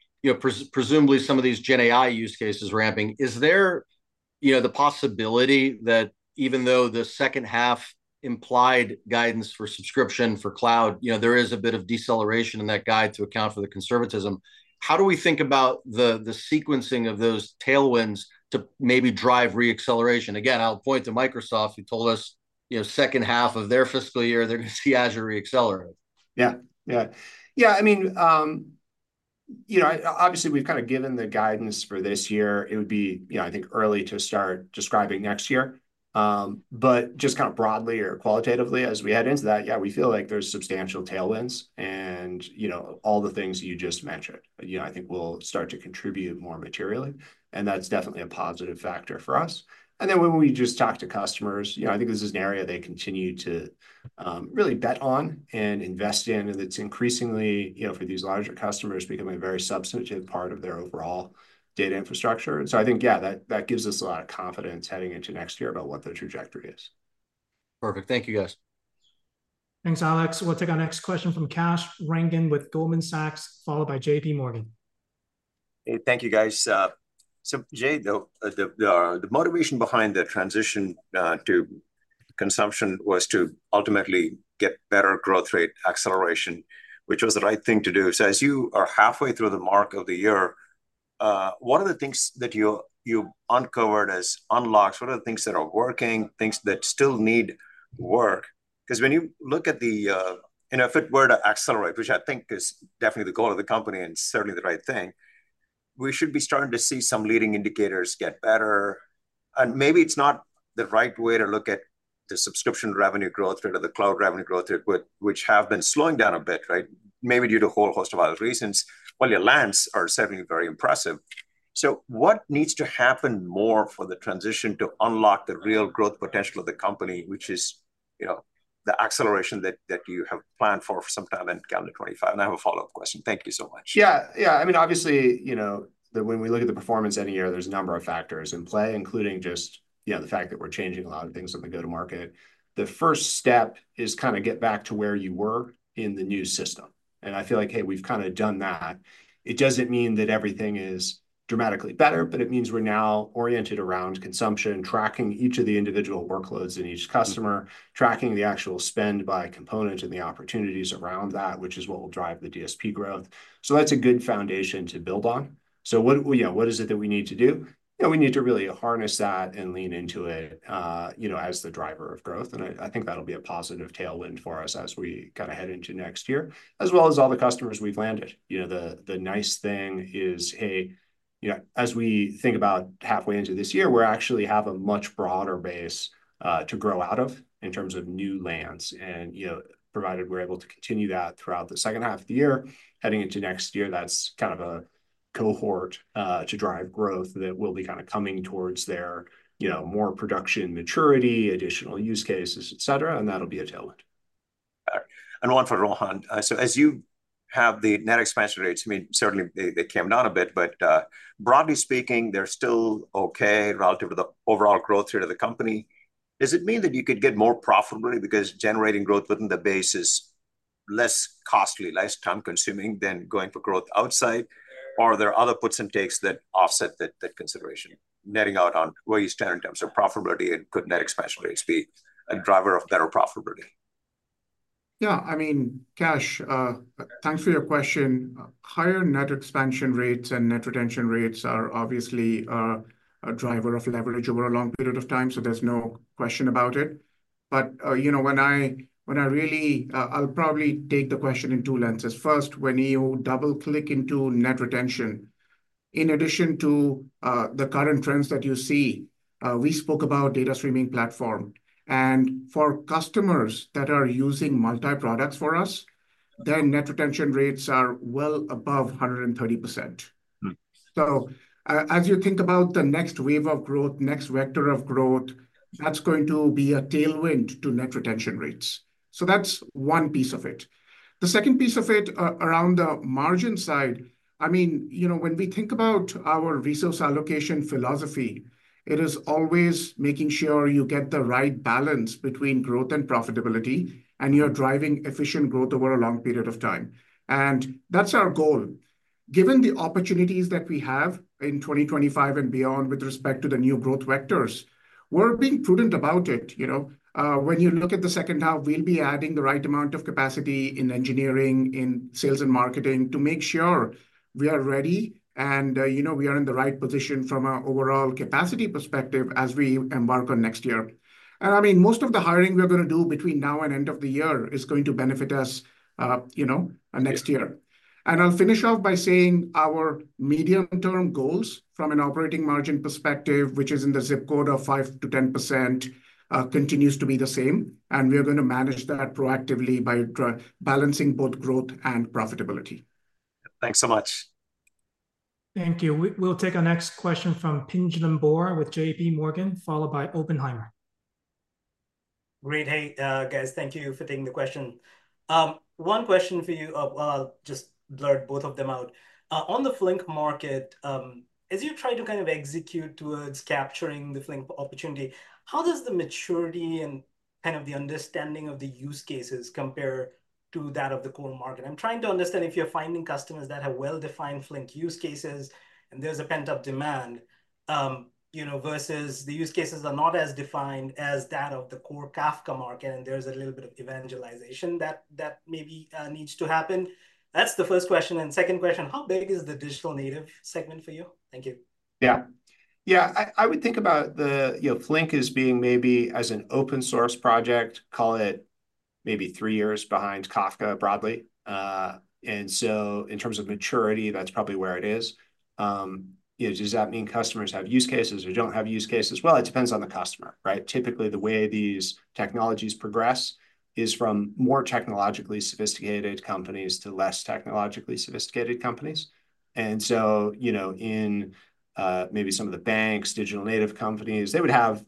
presumably some of these Gen AI use cases ramping. Is there the possibility that even though the second half implied guidance for subscription for cloud, there is a bit of deceleration in that guide to account for the conservatism? How do we think about the sequencing of those tailwinds to maybe drive reacceleration? Again, I'll point to Microsoft. You told us second half of their fiscal year, they're going to see Azure reaccelerate. Yeah, yeah. Yeah, I mean, obviously, we've kind of given the guidance for this year. It would be, I think, early to start describing next year. But just kind of broadly or qualitatively, as we head into that, yeah, we feel like there's substantial tailwinds. And all the things you just mentioned, I think will start to contribute more materially. And that's definitely a positive factor for us. And then when we just talk to customers, I think this is an area they continue to really bet on and invest in. And it's increasingly, for these larger customers, becoming a very substantive part of their overall data infrastructure. And so I think, yeah, that gives us a lot of confidence heading into next year about what the trajectory is. Perfect. Thank you, guys. Thanks, Alex. We'll take our next question from Kash Rangan with Goldman Sachs, followed by J.P. Morgan. Hey, thank you, guys. So Jay, the motivation behind the transition to consumption was to ultimately get better growth rate acceleration, which was the right thing to do. So as you are halfway through the mark of the year, what are the things that you uncovered as unlocks? What are the things that are working, things that still need work? Because when you look at the, if it were to accelerate, which I think is definitely the goal of the company and certainly the right thing, we should be starting to see some leading indicators get better. And maybe it's not the right way to look at the subscription revenue growth rate or the cloud revenue growth rate, which have been slowing down a bit, right? Maybe due to a whole host of other reasons. Well, your plans are certainly very impressive. So what needs to happen more for the transition to unlock the real growth potential of the company, which is the acceleration that you have planned for sometime in calendar 2025? And I have a follow-up question. Thank you so much. Yeah, yeah. I mean, obviously, when we look at the performance end of the year, there's a number of factors in play, including just the fact that we're changing a lot of things on the go-to-market. The first step is kind of get back to where you were in the new system. And I feel like, hey, we've kind of done that. It doesn't mean that everything is dramatically better, but it means we're now oriented around consumption, tracking each of the individual workloads in each customer, tracking the actual spend by component and the opportunities around that, which is what will drive the DSP growth. So that's a good foundation to build on. So what is it that we need to do? We need to really harness that and lean into it as the driver of growth. I think that'll be a positive tailwind for us as we kind of head into next year, as well as all the customers we've landed. The nice thing is, hey, as we think about halfway into this year, we actually have a much broader base to grow out of in terms of new lands. Provided we're able to continue that throughout the second half of the year, heading into next year, that's kind of a cohort to drive growth that will be kind of coming towards their more production maturity, additional use cases, et cetera. That'll be a tailwind. One for Rohan. So as you have the net expansion rates, I mean, certainly they came down a bit. But broadly speaking, they're still OK relative to the overall growth rate of the company. Does it mean that you could get more profitably because generating growth within the base is less costly, less time-consuming than going for growth outside? Or are there other puts and takes that offset that consideration, netting out on where you stand in terms of profitability? And could net expansion rates be a driver of better profitability? Yeah, I mean, Kash, thanks for your question. Higher net expansion rates and net retention rates are obviously a driver of leverage over a long period of time. So there's no question about it. But when I really I'll probably take the question in two lenses. First, when you double-click into net retention, in addition to the current trends that you see, we spoke about data streaming platform. And for customers that are using multi-products for us, their net retention rates are well above 130%. So as you think about the next wave of growth, next vector of growth, that's going to be a tailwind to net retention rates. So that's one piece of it. The second piece of it around the margin side, I mean, when we think about our resource allocation philosophy, it is always making sure you get the right balance between growth and profitability and you're driving efficient growth over a long period of time. That's our goal. Given the opportunities that we have in 2025 and beyond with respect to the new growth vectors, we're being prudent about it. When you look at the second half, we'll be adding the right amount of capacity in engineering, in sales, and marketing to make sure we are ready and we are in the right position from an overall capacity perspective as we embark on next year. I mean, most of the hiring we're going to do between now and end of the year is going to benefit us next year. I'll finish off by saying our medium-term goals from an operating margin perspective, which is in the zip code of 5%-10%, continues to be the same. We are going to manage that proactively by balancing both growth and profitability. Thanks so much. Thank you. We'll take our next question from Pinjalim Bora with J.P. Morgan, followed by Oppenheimer. Great. Hey, guys, thank you for taking the question. One question for you. I'll just blurt both of them out. On the Flink market, as you try to kind of execute towards capturing the Flink opportunity, how does the maturity and kind of the understanding of the use cases compare to that of the core market? I'm trying to understand if you're finding customers that have well-defined Flink use cases and there's a pent-up demand versus the use cases are not as defined as that of the core Kafka market, and there's a little bit of evangelization that maybe needs to happen. That's the first question. Second question, how big is the digital native segment for you? Thank you. Yeah. Yeah, I would think about the Flink as being maybe as an open-source project, call it maybe three years behind Kafka broadly. And so in terms of maturity, that's probably where it is. Does that mean customers have use cases or don't have use cases? Well, it depends on the customer, right? Typically, the way these technologies progress is from more technologically sophisticated companies to less technologically sophisticated companies. And so in maybe some of the banks, digital native companies, they would have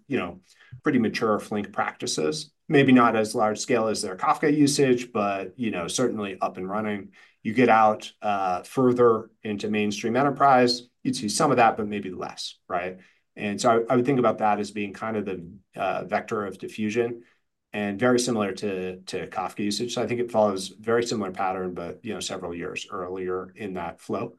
pretty mature Flink practices, maybe not as large scale as their Kafka usage, but certainly up and running. You get out further into mainstream enterprise, you'd see some of that, but maybe less, right? And so I would think about that as being kind of the vector of diffusion and very similar to Kafka usage. So I think it follows a very similar pattern, but several years earlier in that flow.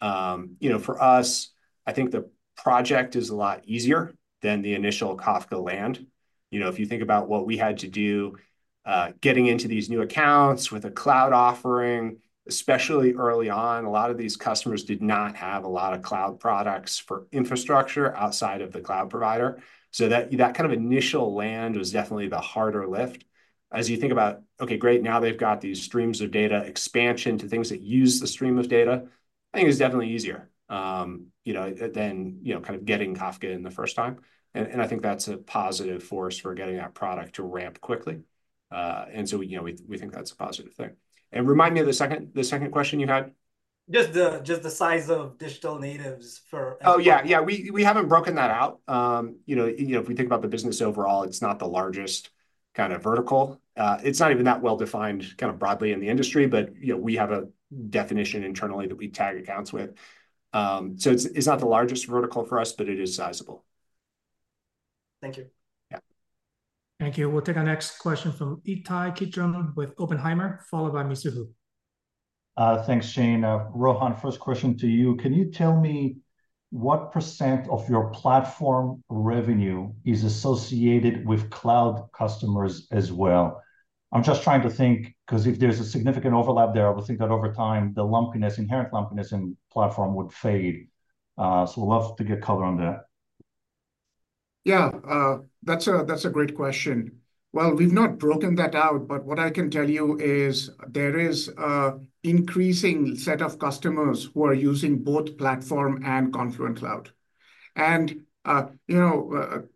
For us, I think the project is a lot easier than the initial Kafka land. If you think about what we had to do getting into these new accounts with a cloud offering, especially early on, a lot of these customers did not have a lot of cloud products for infrastructure outside of the cloud provider. So that kind of initial land was definitely the harder lift. As you think about, okay, great, now they've got these streams of data expansion to things that use the stream of data, I think it's definitely easier than kind of getting Kafka in the first time. And I think that's a positive force for getting that product to ramp quickly. And so we think that's a positive thing. And remind me of the second question you had. Just the size of digital natives for. Oh, yeah, yeah. We haven't broken that out. If we think about the business overall, it's not the largest kind of vertical. It's not even that well-defined kind of broadly in the industry, but we have a definition internally that we tag accounts with. So it's not the largest vertical for us, but it is sizable. Thank you. Yeah. Thank you. We'll take our next question from Ittai Kidron with Oppenheimer, followed by Mizuho. Thanks, Shane. Rohan, first question to you. Can you tell me what % of your platform revenue is associated with cloud customers as well? I'm just trying to think because if there's a significant overlap there, I would think that over time, the lumpiness, inherent lumpiness in platform would fade. So we'll have to get color on that. Yeah, that's a great question. Well, we've not broken that out, but what I can tell you is there is an increasing set of customers who are using both platform and Confluent Cloud. And a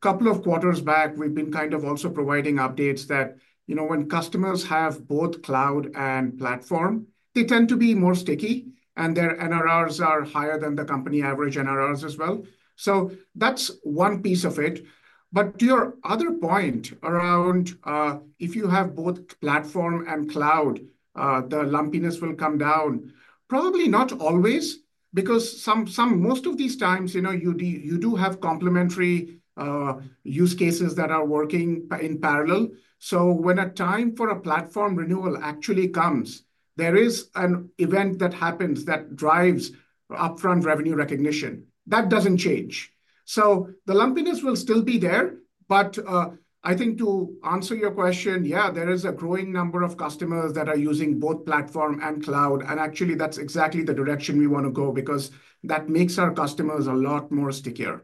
couple of quarters back, we've been kind of also providing updates that when customers have both cloud and platform, they tend to be more sticky, and their NRRs are higher than the company average NRRs as well. So that's one piece of it. But to your other point around if you have both platform and cloud, the lumpiness will come down. Probably not always because most of these times, you do have complementary use cases that are working in parallel. So when a time for a platform renewal actually comes, there is an event that happens that drives upfront revenue recognition. That doesn't change. So the lumpiness will still be there. But I think to answer your question, yeah, there is a growing number of customers that are using both platform and cloud. And actually, that's exactly the direction we want to go because that makes our customers a lot more stickier.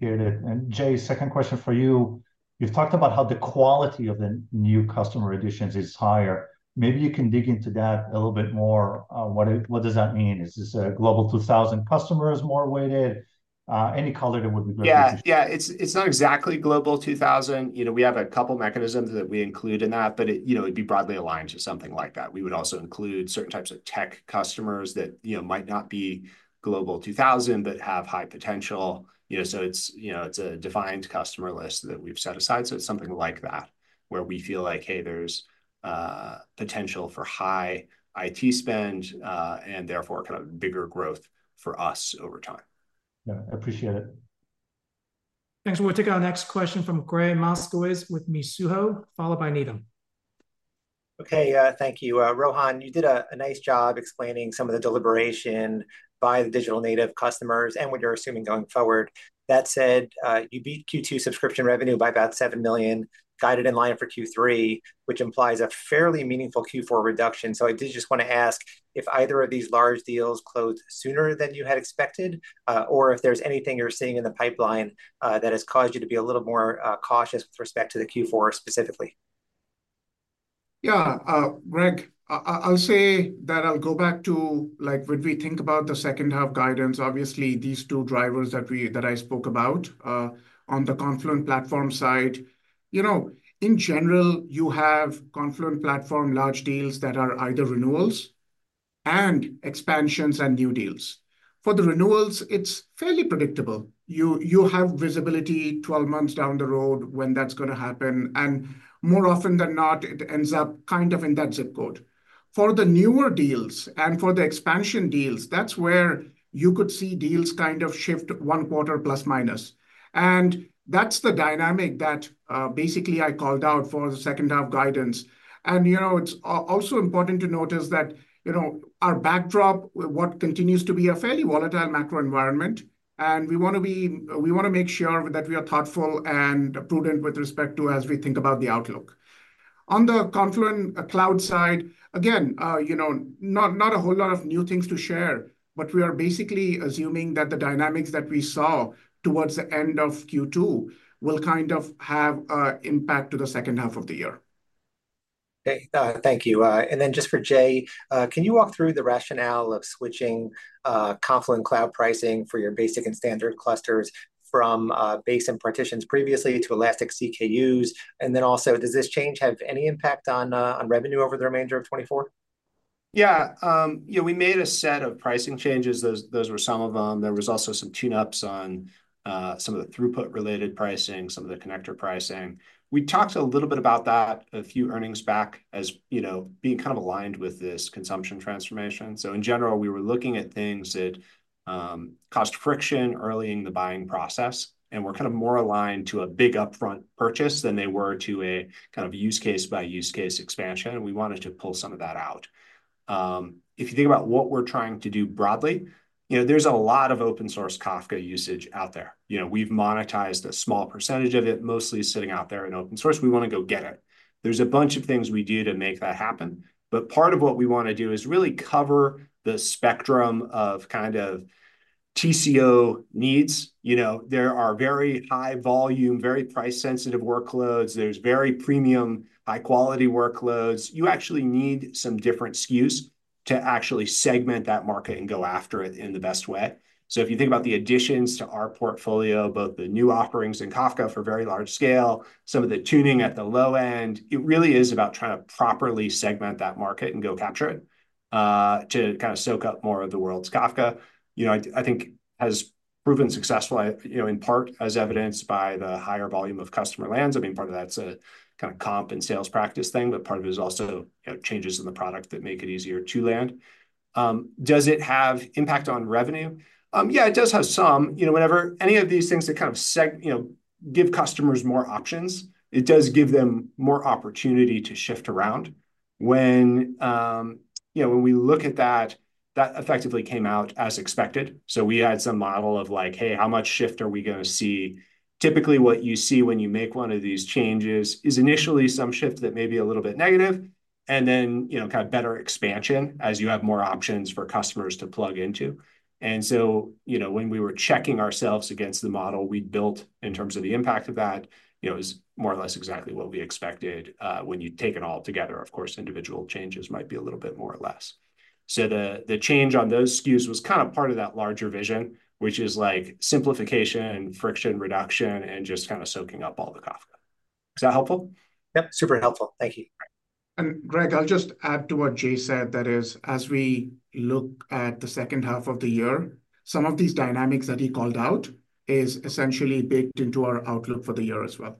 Hear it. Jay, second question for you. You've talked about how the quality of the new customer additions is higher. Maybe you can dig into that a little bit more. What does that mean? Is this a Global 2000 customers more weighted? Any color that would be great. Yeah, yeah. It's not exactly global 2000. We have a couple of mechanisms that we include in that, but it'd be broadly aligned to something like that. We would also include certain types of tech customers that might not be global 2000 but have high potential. So it's a defined customer list that we've set aside. So it's something like that where we feel like, hey, there's potential for high IT spend and therefore kind of bigger growth for us over time. Yeah, I appreciate it. Thanks. We'll take our next question from Gregg Moskowitz with Mizuho, followed by Needham. Okay, thank you. Rohan, you did a nice job explaining some of the deliberation by the digital native customers and what you're assuming going forward. That said, you beat Q2 subscription revenue by about $7 million, guided in line for Q3, which implies a fairly meaningful Q4 reduction. So I did just want to ask if either of these large deals closed sooner than you had expected, or if there's anything you're seeing in the pipeline that has caused you to be a little more cautious with respect to the Q4 specifically. Yeah, Greg, I'll say that I'll go back to when we think about the second half guidance, obviously, these two drivers that I spoke about on the Confluent Platform side. In general, you have Confluent Platform large deals that are either renewals and expansions and new deals. For the renewals, it's fairly predictable. You have visibility 12 months down the road when that's going to happen. And more often than not, it ends up kind of in that zip code. For the newer deals and for the expansion deals, that's where you could see deals kind of shift one quarter plus minus. And that's the dynamic that basically I called out for the second half guidance. And it's also important to notice that our backdrop, what continues to be a fairly volatile macro environment. We want to make sure that we are thoughtful and prudent with respect to as we think about the outlook. On the Confluent Cloud side, again, not a whole lot of new things to share, but we are basically assuming that the dynamics that we saw towards the end of Q2 will kind of have an impact to the second half of the year. Thank you. And then just for Jay, can you walk through the rationale of switching Confluent Cloud pricing for your basic and standard clusters from base and partitions previously to elastic CKUs? And then also, does this change have any impact on revenue over the remainder of 2024? Yeah. We made a set of pricing changes. Those were some of them. There was also some tune-ups on some of the throughput-related pricing, some of the connector pricing. We talked a little bit about that a few earnings back as being kind of aligned with this consumption transformation. So in general, we were looking at things that cost friction early in the buying process. We're kind of more aligned to a big upfront purchase than they were to a kind of use case by use case expansion. We wanted to pull some of that out. If you think about what we're trying to do broadly, there's a lot of open-source Kafka usage out there. We've monetized a small percentage of it, mostly sitting out there in open source. We want to go get it. There's a bunch of things we do to make that happen. But part of what we want to do is really cover the spectrum of kind of TCO needs. There are very high volume, very price-sensitive workloads. There's very premium, high-quality workloads. You actually need some different SKUs to actually segment that market and go after it in the best way. So if you think about the additions to our portfolio, both the new offerings and Kafka for very large scale, some of the tuning at the low end, it really is about trying to properly segment that market and go capture it to kind of soak up more of the world's Kafka. I think has proven successful, in part, as evidenced by the higher volume of customer lands. I mean, part of that's a kind of comp and sales practice thing, but part of it is also changes in the product that make it easier to land. Does it have impact on revenue? Yeah, it does have some. Whenever any of these things that kind of give customers more options, it does give them more opportunity to shift around. When we look at that, that effectively came out as expected. So we had some model of like, hey, how much shift are we going to see? Typically, what you see when you make one of these changes is initially some shift that may be a little bit negative and then kind of better expansion as you have more options for customers to plug into. And so when we were checking ourselves against the model we built in terms of the impact of that, it was more or less exactly what we expected when you take it all together. Of course, individual changes might be a little bit more or less. So the change on those SKUs was kind of part of that larger vision, which is like simplification, friction reduction, and just kind of soaking up all the Kafka. Is that helpful? Yep, super helpful. Thank you. Greg, I'll just add to what Jay said, that is, as we look at the second half of the year, some of these dynamics that he called out is essentially baked into our outlook for the year as well.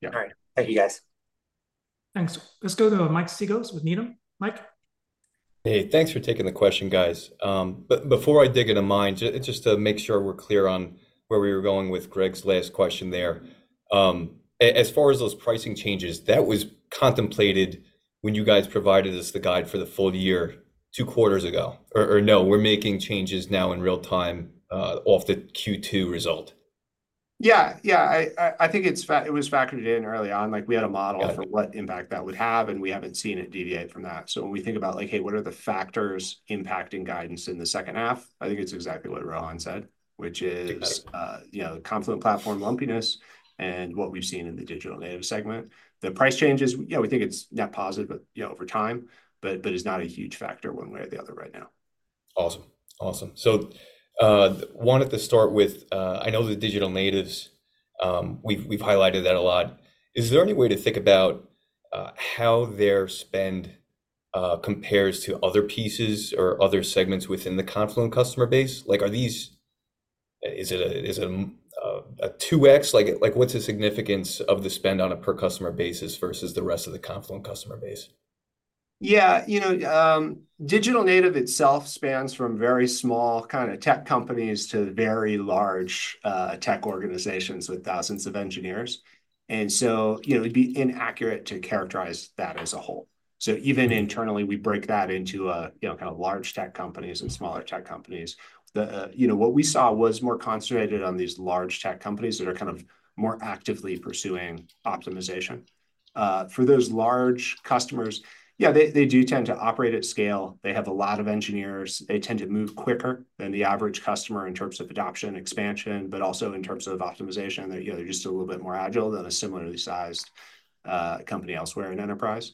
Yeah. All right. Thank you, guys. Thanks. Let's go to Mike Cikos with Needham. Mike? Hey, thanks for taking the question, guys. But before I dig into mine, just to make sure we're clear on where we were going with Greg's last question there, as far as those pricing changes, that was contemplated when you guys provided us the guide for the full year two quarters ago. Or no, we're making changes now in real time off the Q2 result. Yeah, yeah. I think it was factored in early on. We had a model for what impact that would have, and we haven't seen it deviate from that. So when we think about like, hey, what are the factors impacting guidance in the second half? I think it's exactly what Rohan said, which is Confluent Platform lumpiness and what we've seen in the digital native segment. The price changes, yeah, we think it's net positive, but over time, but it's not a huge factor one way or the other right now. Awesome. Awesome. So wanted to start with, I know the digital natives, we've highlighted that a lot. Is there any way to think about how their spend compares to other pieces or other segments within the Confluent customer base? Is it a 2X? What's the significance of the spend on a per customer basis versus the rest of the Confluent customer base? Yeah. Digital native itself spans from very small kind of tech companies to very large tech organizations with thousands of engineers. And so it'd be inaccurate to characterize that as a whole. So even internally, we break that into kind of large tech companies and smaller tech companies. What we saw was more concentrated on these large tech companies that are kind of more actively pursuing optimization. For those large customers, yeah, they do tend to operate at scale. They have a lot of engineers. They tend to move quicker than the average customer in terms of adoption expansion, but also in terms of optimization. They're just a little bit more agile than a similarly sized company elsewhere in enterprise.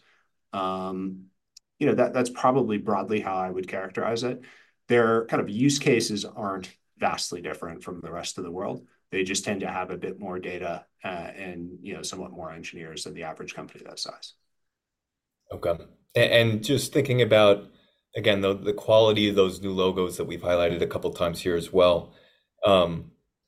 That's probably broadly how I would characterize it. Their kind of use cases aren't vastly different from the rest of the world. They just tend to have a bit more data and somewhat more engineers than the average company that size. Okay. And just thinking about, again, the quality of those new logos that we've highlighted a couple of times here as well.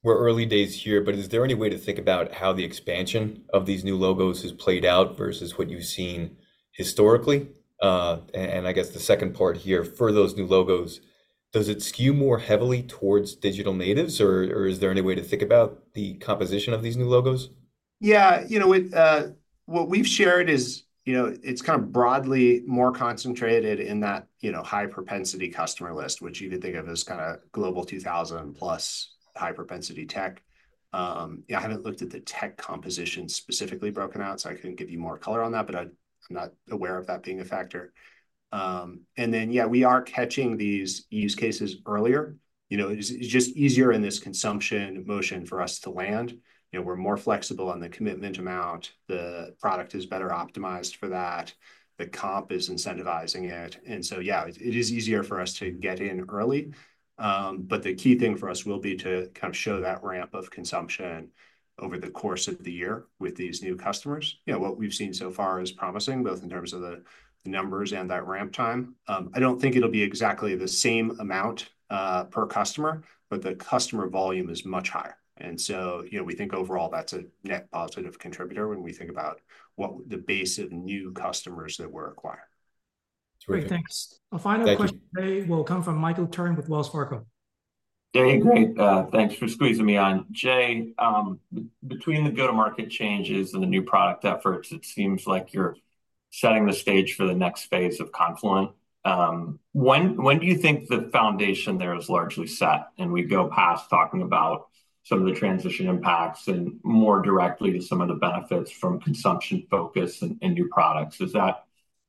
We're early days here, but is there any way to think about how the expansion of these new logos has played out versus what you've seen historically? And I guess the second part here for those new logos, does it skew more heavily towards digital natives, or is there any way to think about the composition of these new logos? Yeah. What we've shared is it's kind of broadly more concentrated in that high-propensity customer list, which you could think of as kind of Global 2000 plus high-propensity tech. I haven't looked at the tech composition specifically broken out, so I couldn't give you more color on that, but I'm not aware of that being a factor. And then, yeah, we are catching these use cases earlier. It's just easier in this consumption motion for us to land. We're more flexible on the commitment amount. The product is better optimized for that. The comp is incentivizing it. And so, yeah, it is easier for us to get in early. But the key thing for us will be to kind of show that ramp of consumption over the course of the year with these new customers. What we've seen so far is promising, both in terms of the numbers and that ramp time. I don't think it'll be exactly the same amount per customer, but the customer volume is much higher. And so we think overall that's a net positive contributor when we think about the base of new customers that we're acquiring. Great. Thanks. A final question today will come from Michael Turrin with Wells Fargo. Jay, great. Thanks for squeezing me in. Jay, between the go-to-market changes and the new product efforts, it seems like you're setting the stage for the next phase of Confluent. When do you think the foundation there is largely set? We go past talking about some of the transition impacts and more directly to some of the benefits from consumption focus and new products. Is that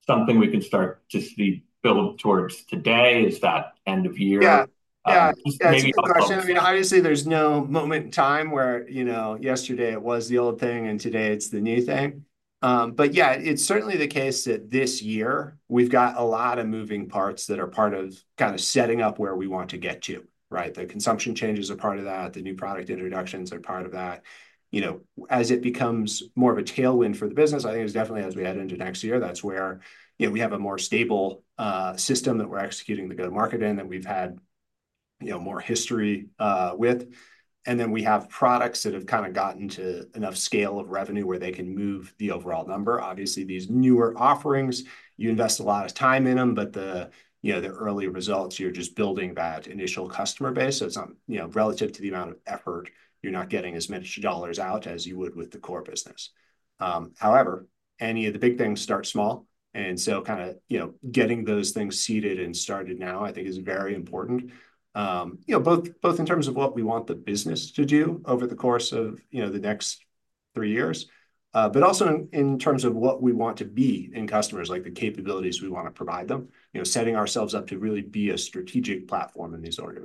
something we can start to build towards today? Is that end of year? Yeah. That's a good question. I mean, obviously, there's no moment in time where yesterday it was the old thing and today it's the new thing. But yeah, it's certainly the case that this year we've got a lot of moving parts that are part of kind of setting up where we want to get to, right? The consumption changes are part of that. The new product introductions are part of that. As it becomes more of a tailwind for the business, I think it's definitely as we head into next year, that's where we have a more stable system that we're executing the go-to-market in that we've had more history with. And then we have products that have kind of gotten to enough scale of revenue where they can move the overall number. Obviously, these newer offerings, you invest a lot of time in them, but the early results, you're just building that initial customer base. So it's relative to the amount of effort, you're not getting as many dollars out as you would with the core business. However, any of the big things start small. And so kind of getting those things seeded and started now, I think, is very important, both in terms of what we want the business to do over the course of the next three years, but also in terms of what we want to be in customers, like the capabilities we want to provide them, setting ourselves up to really be a strategic platform in these early.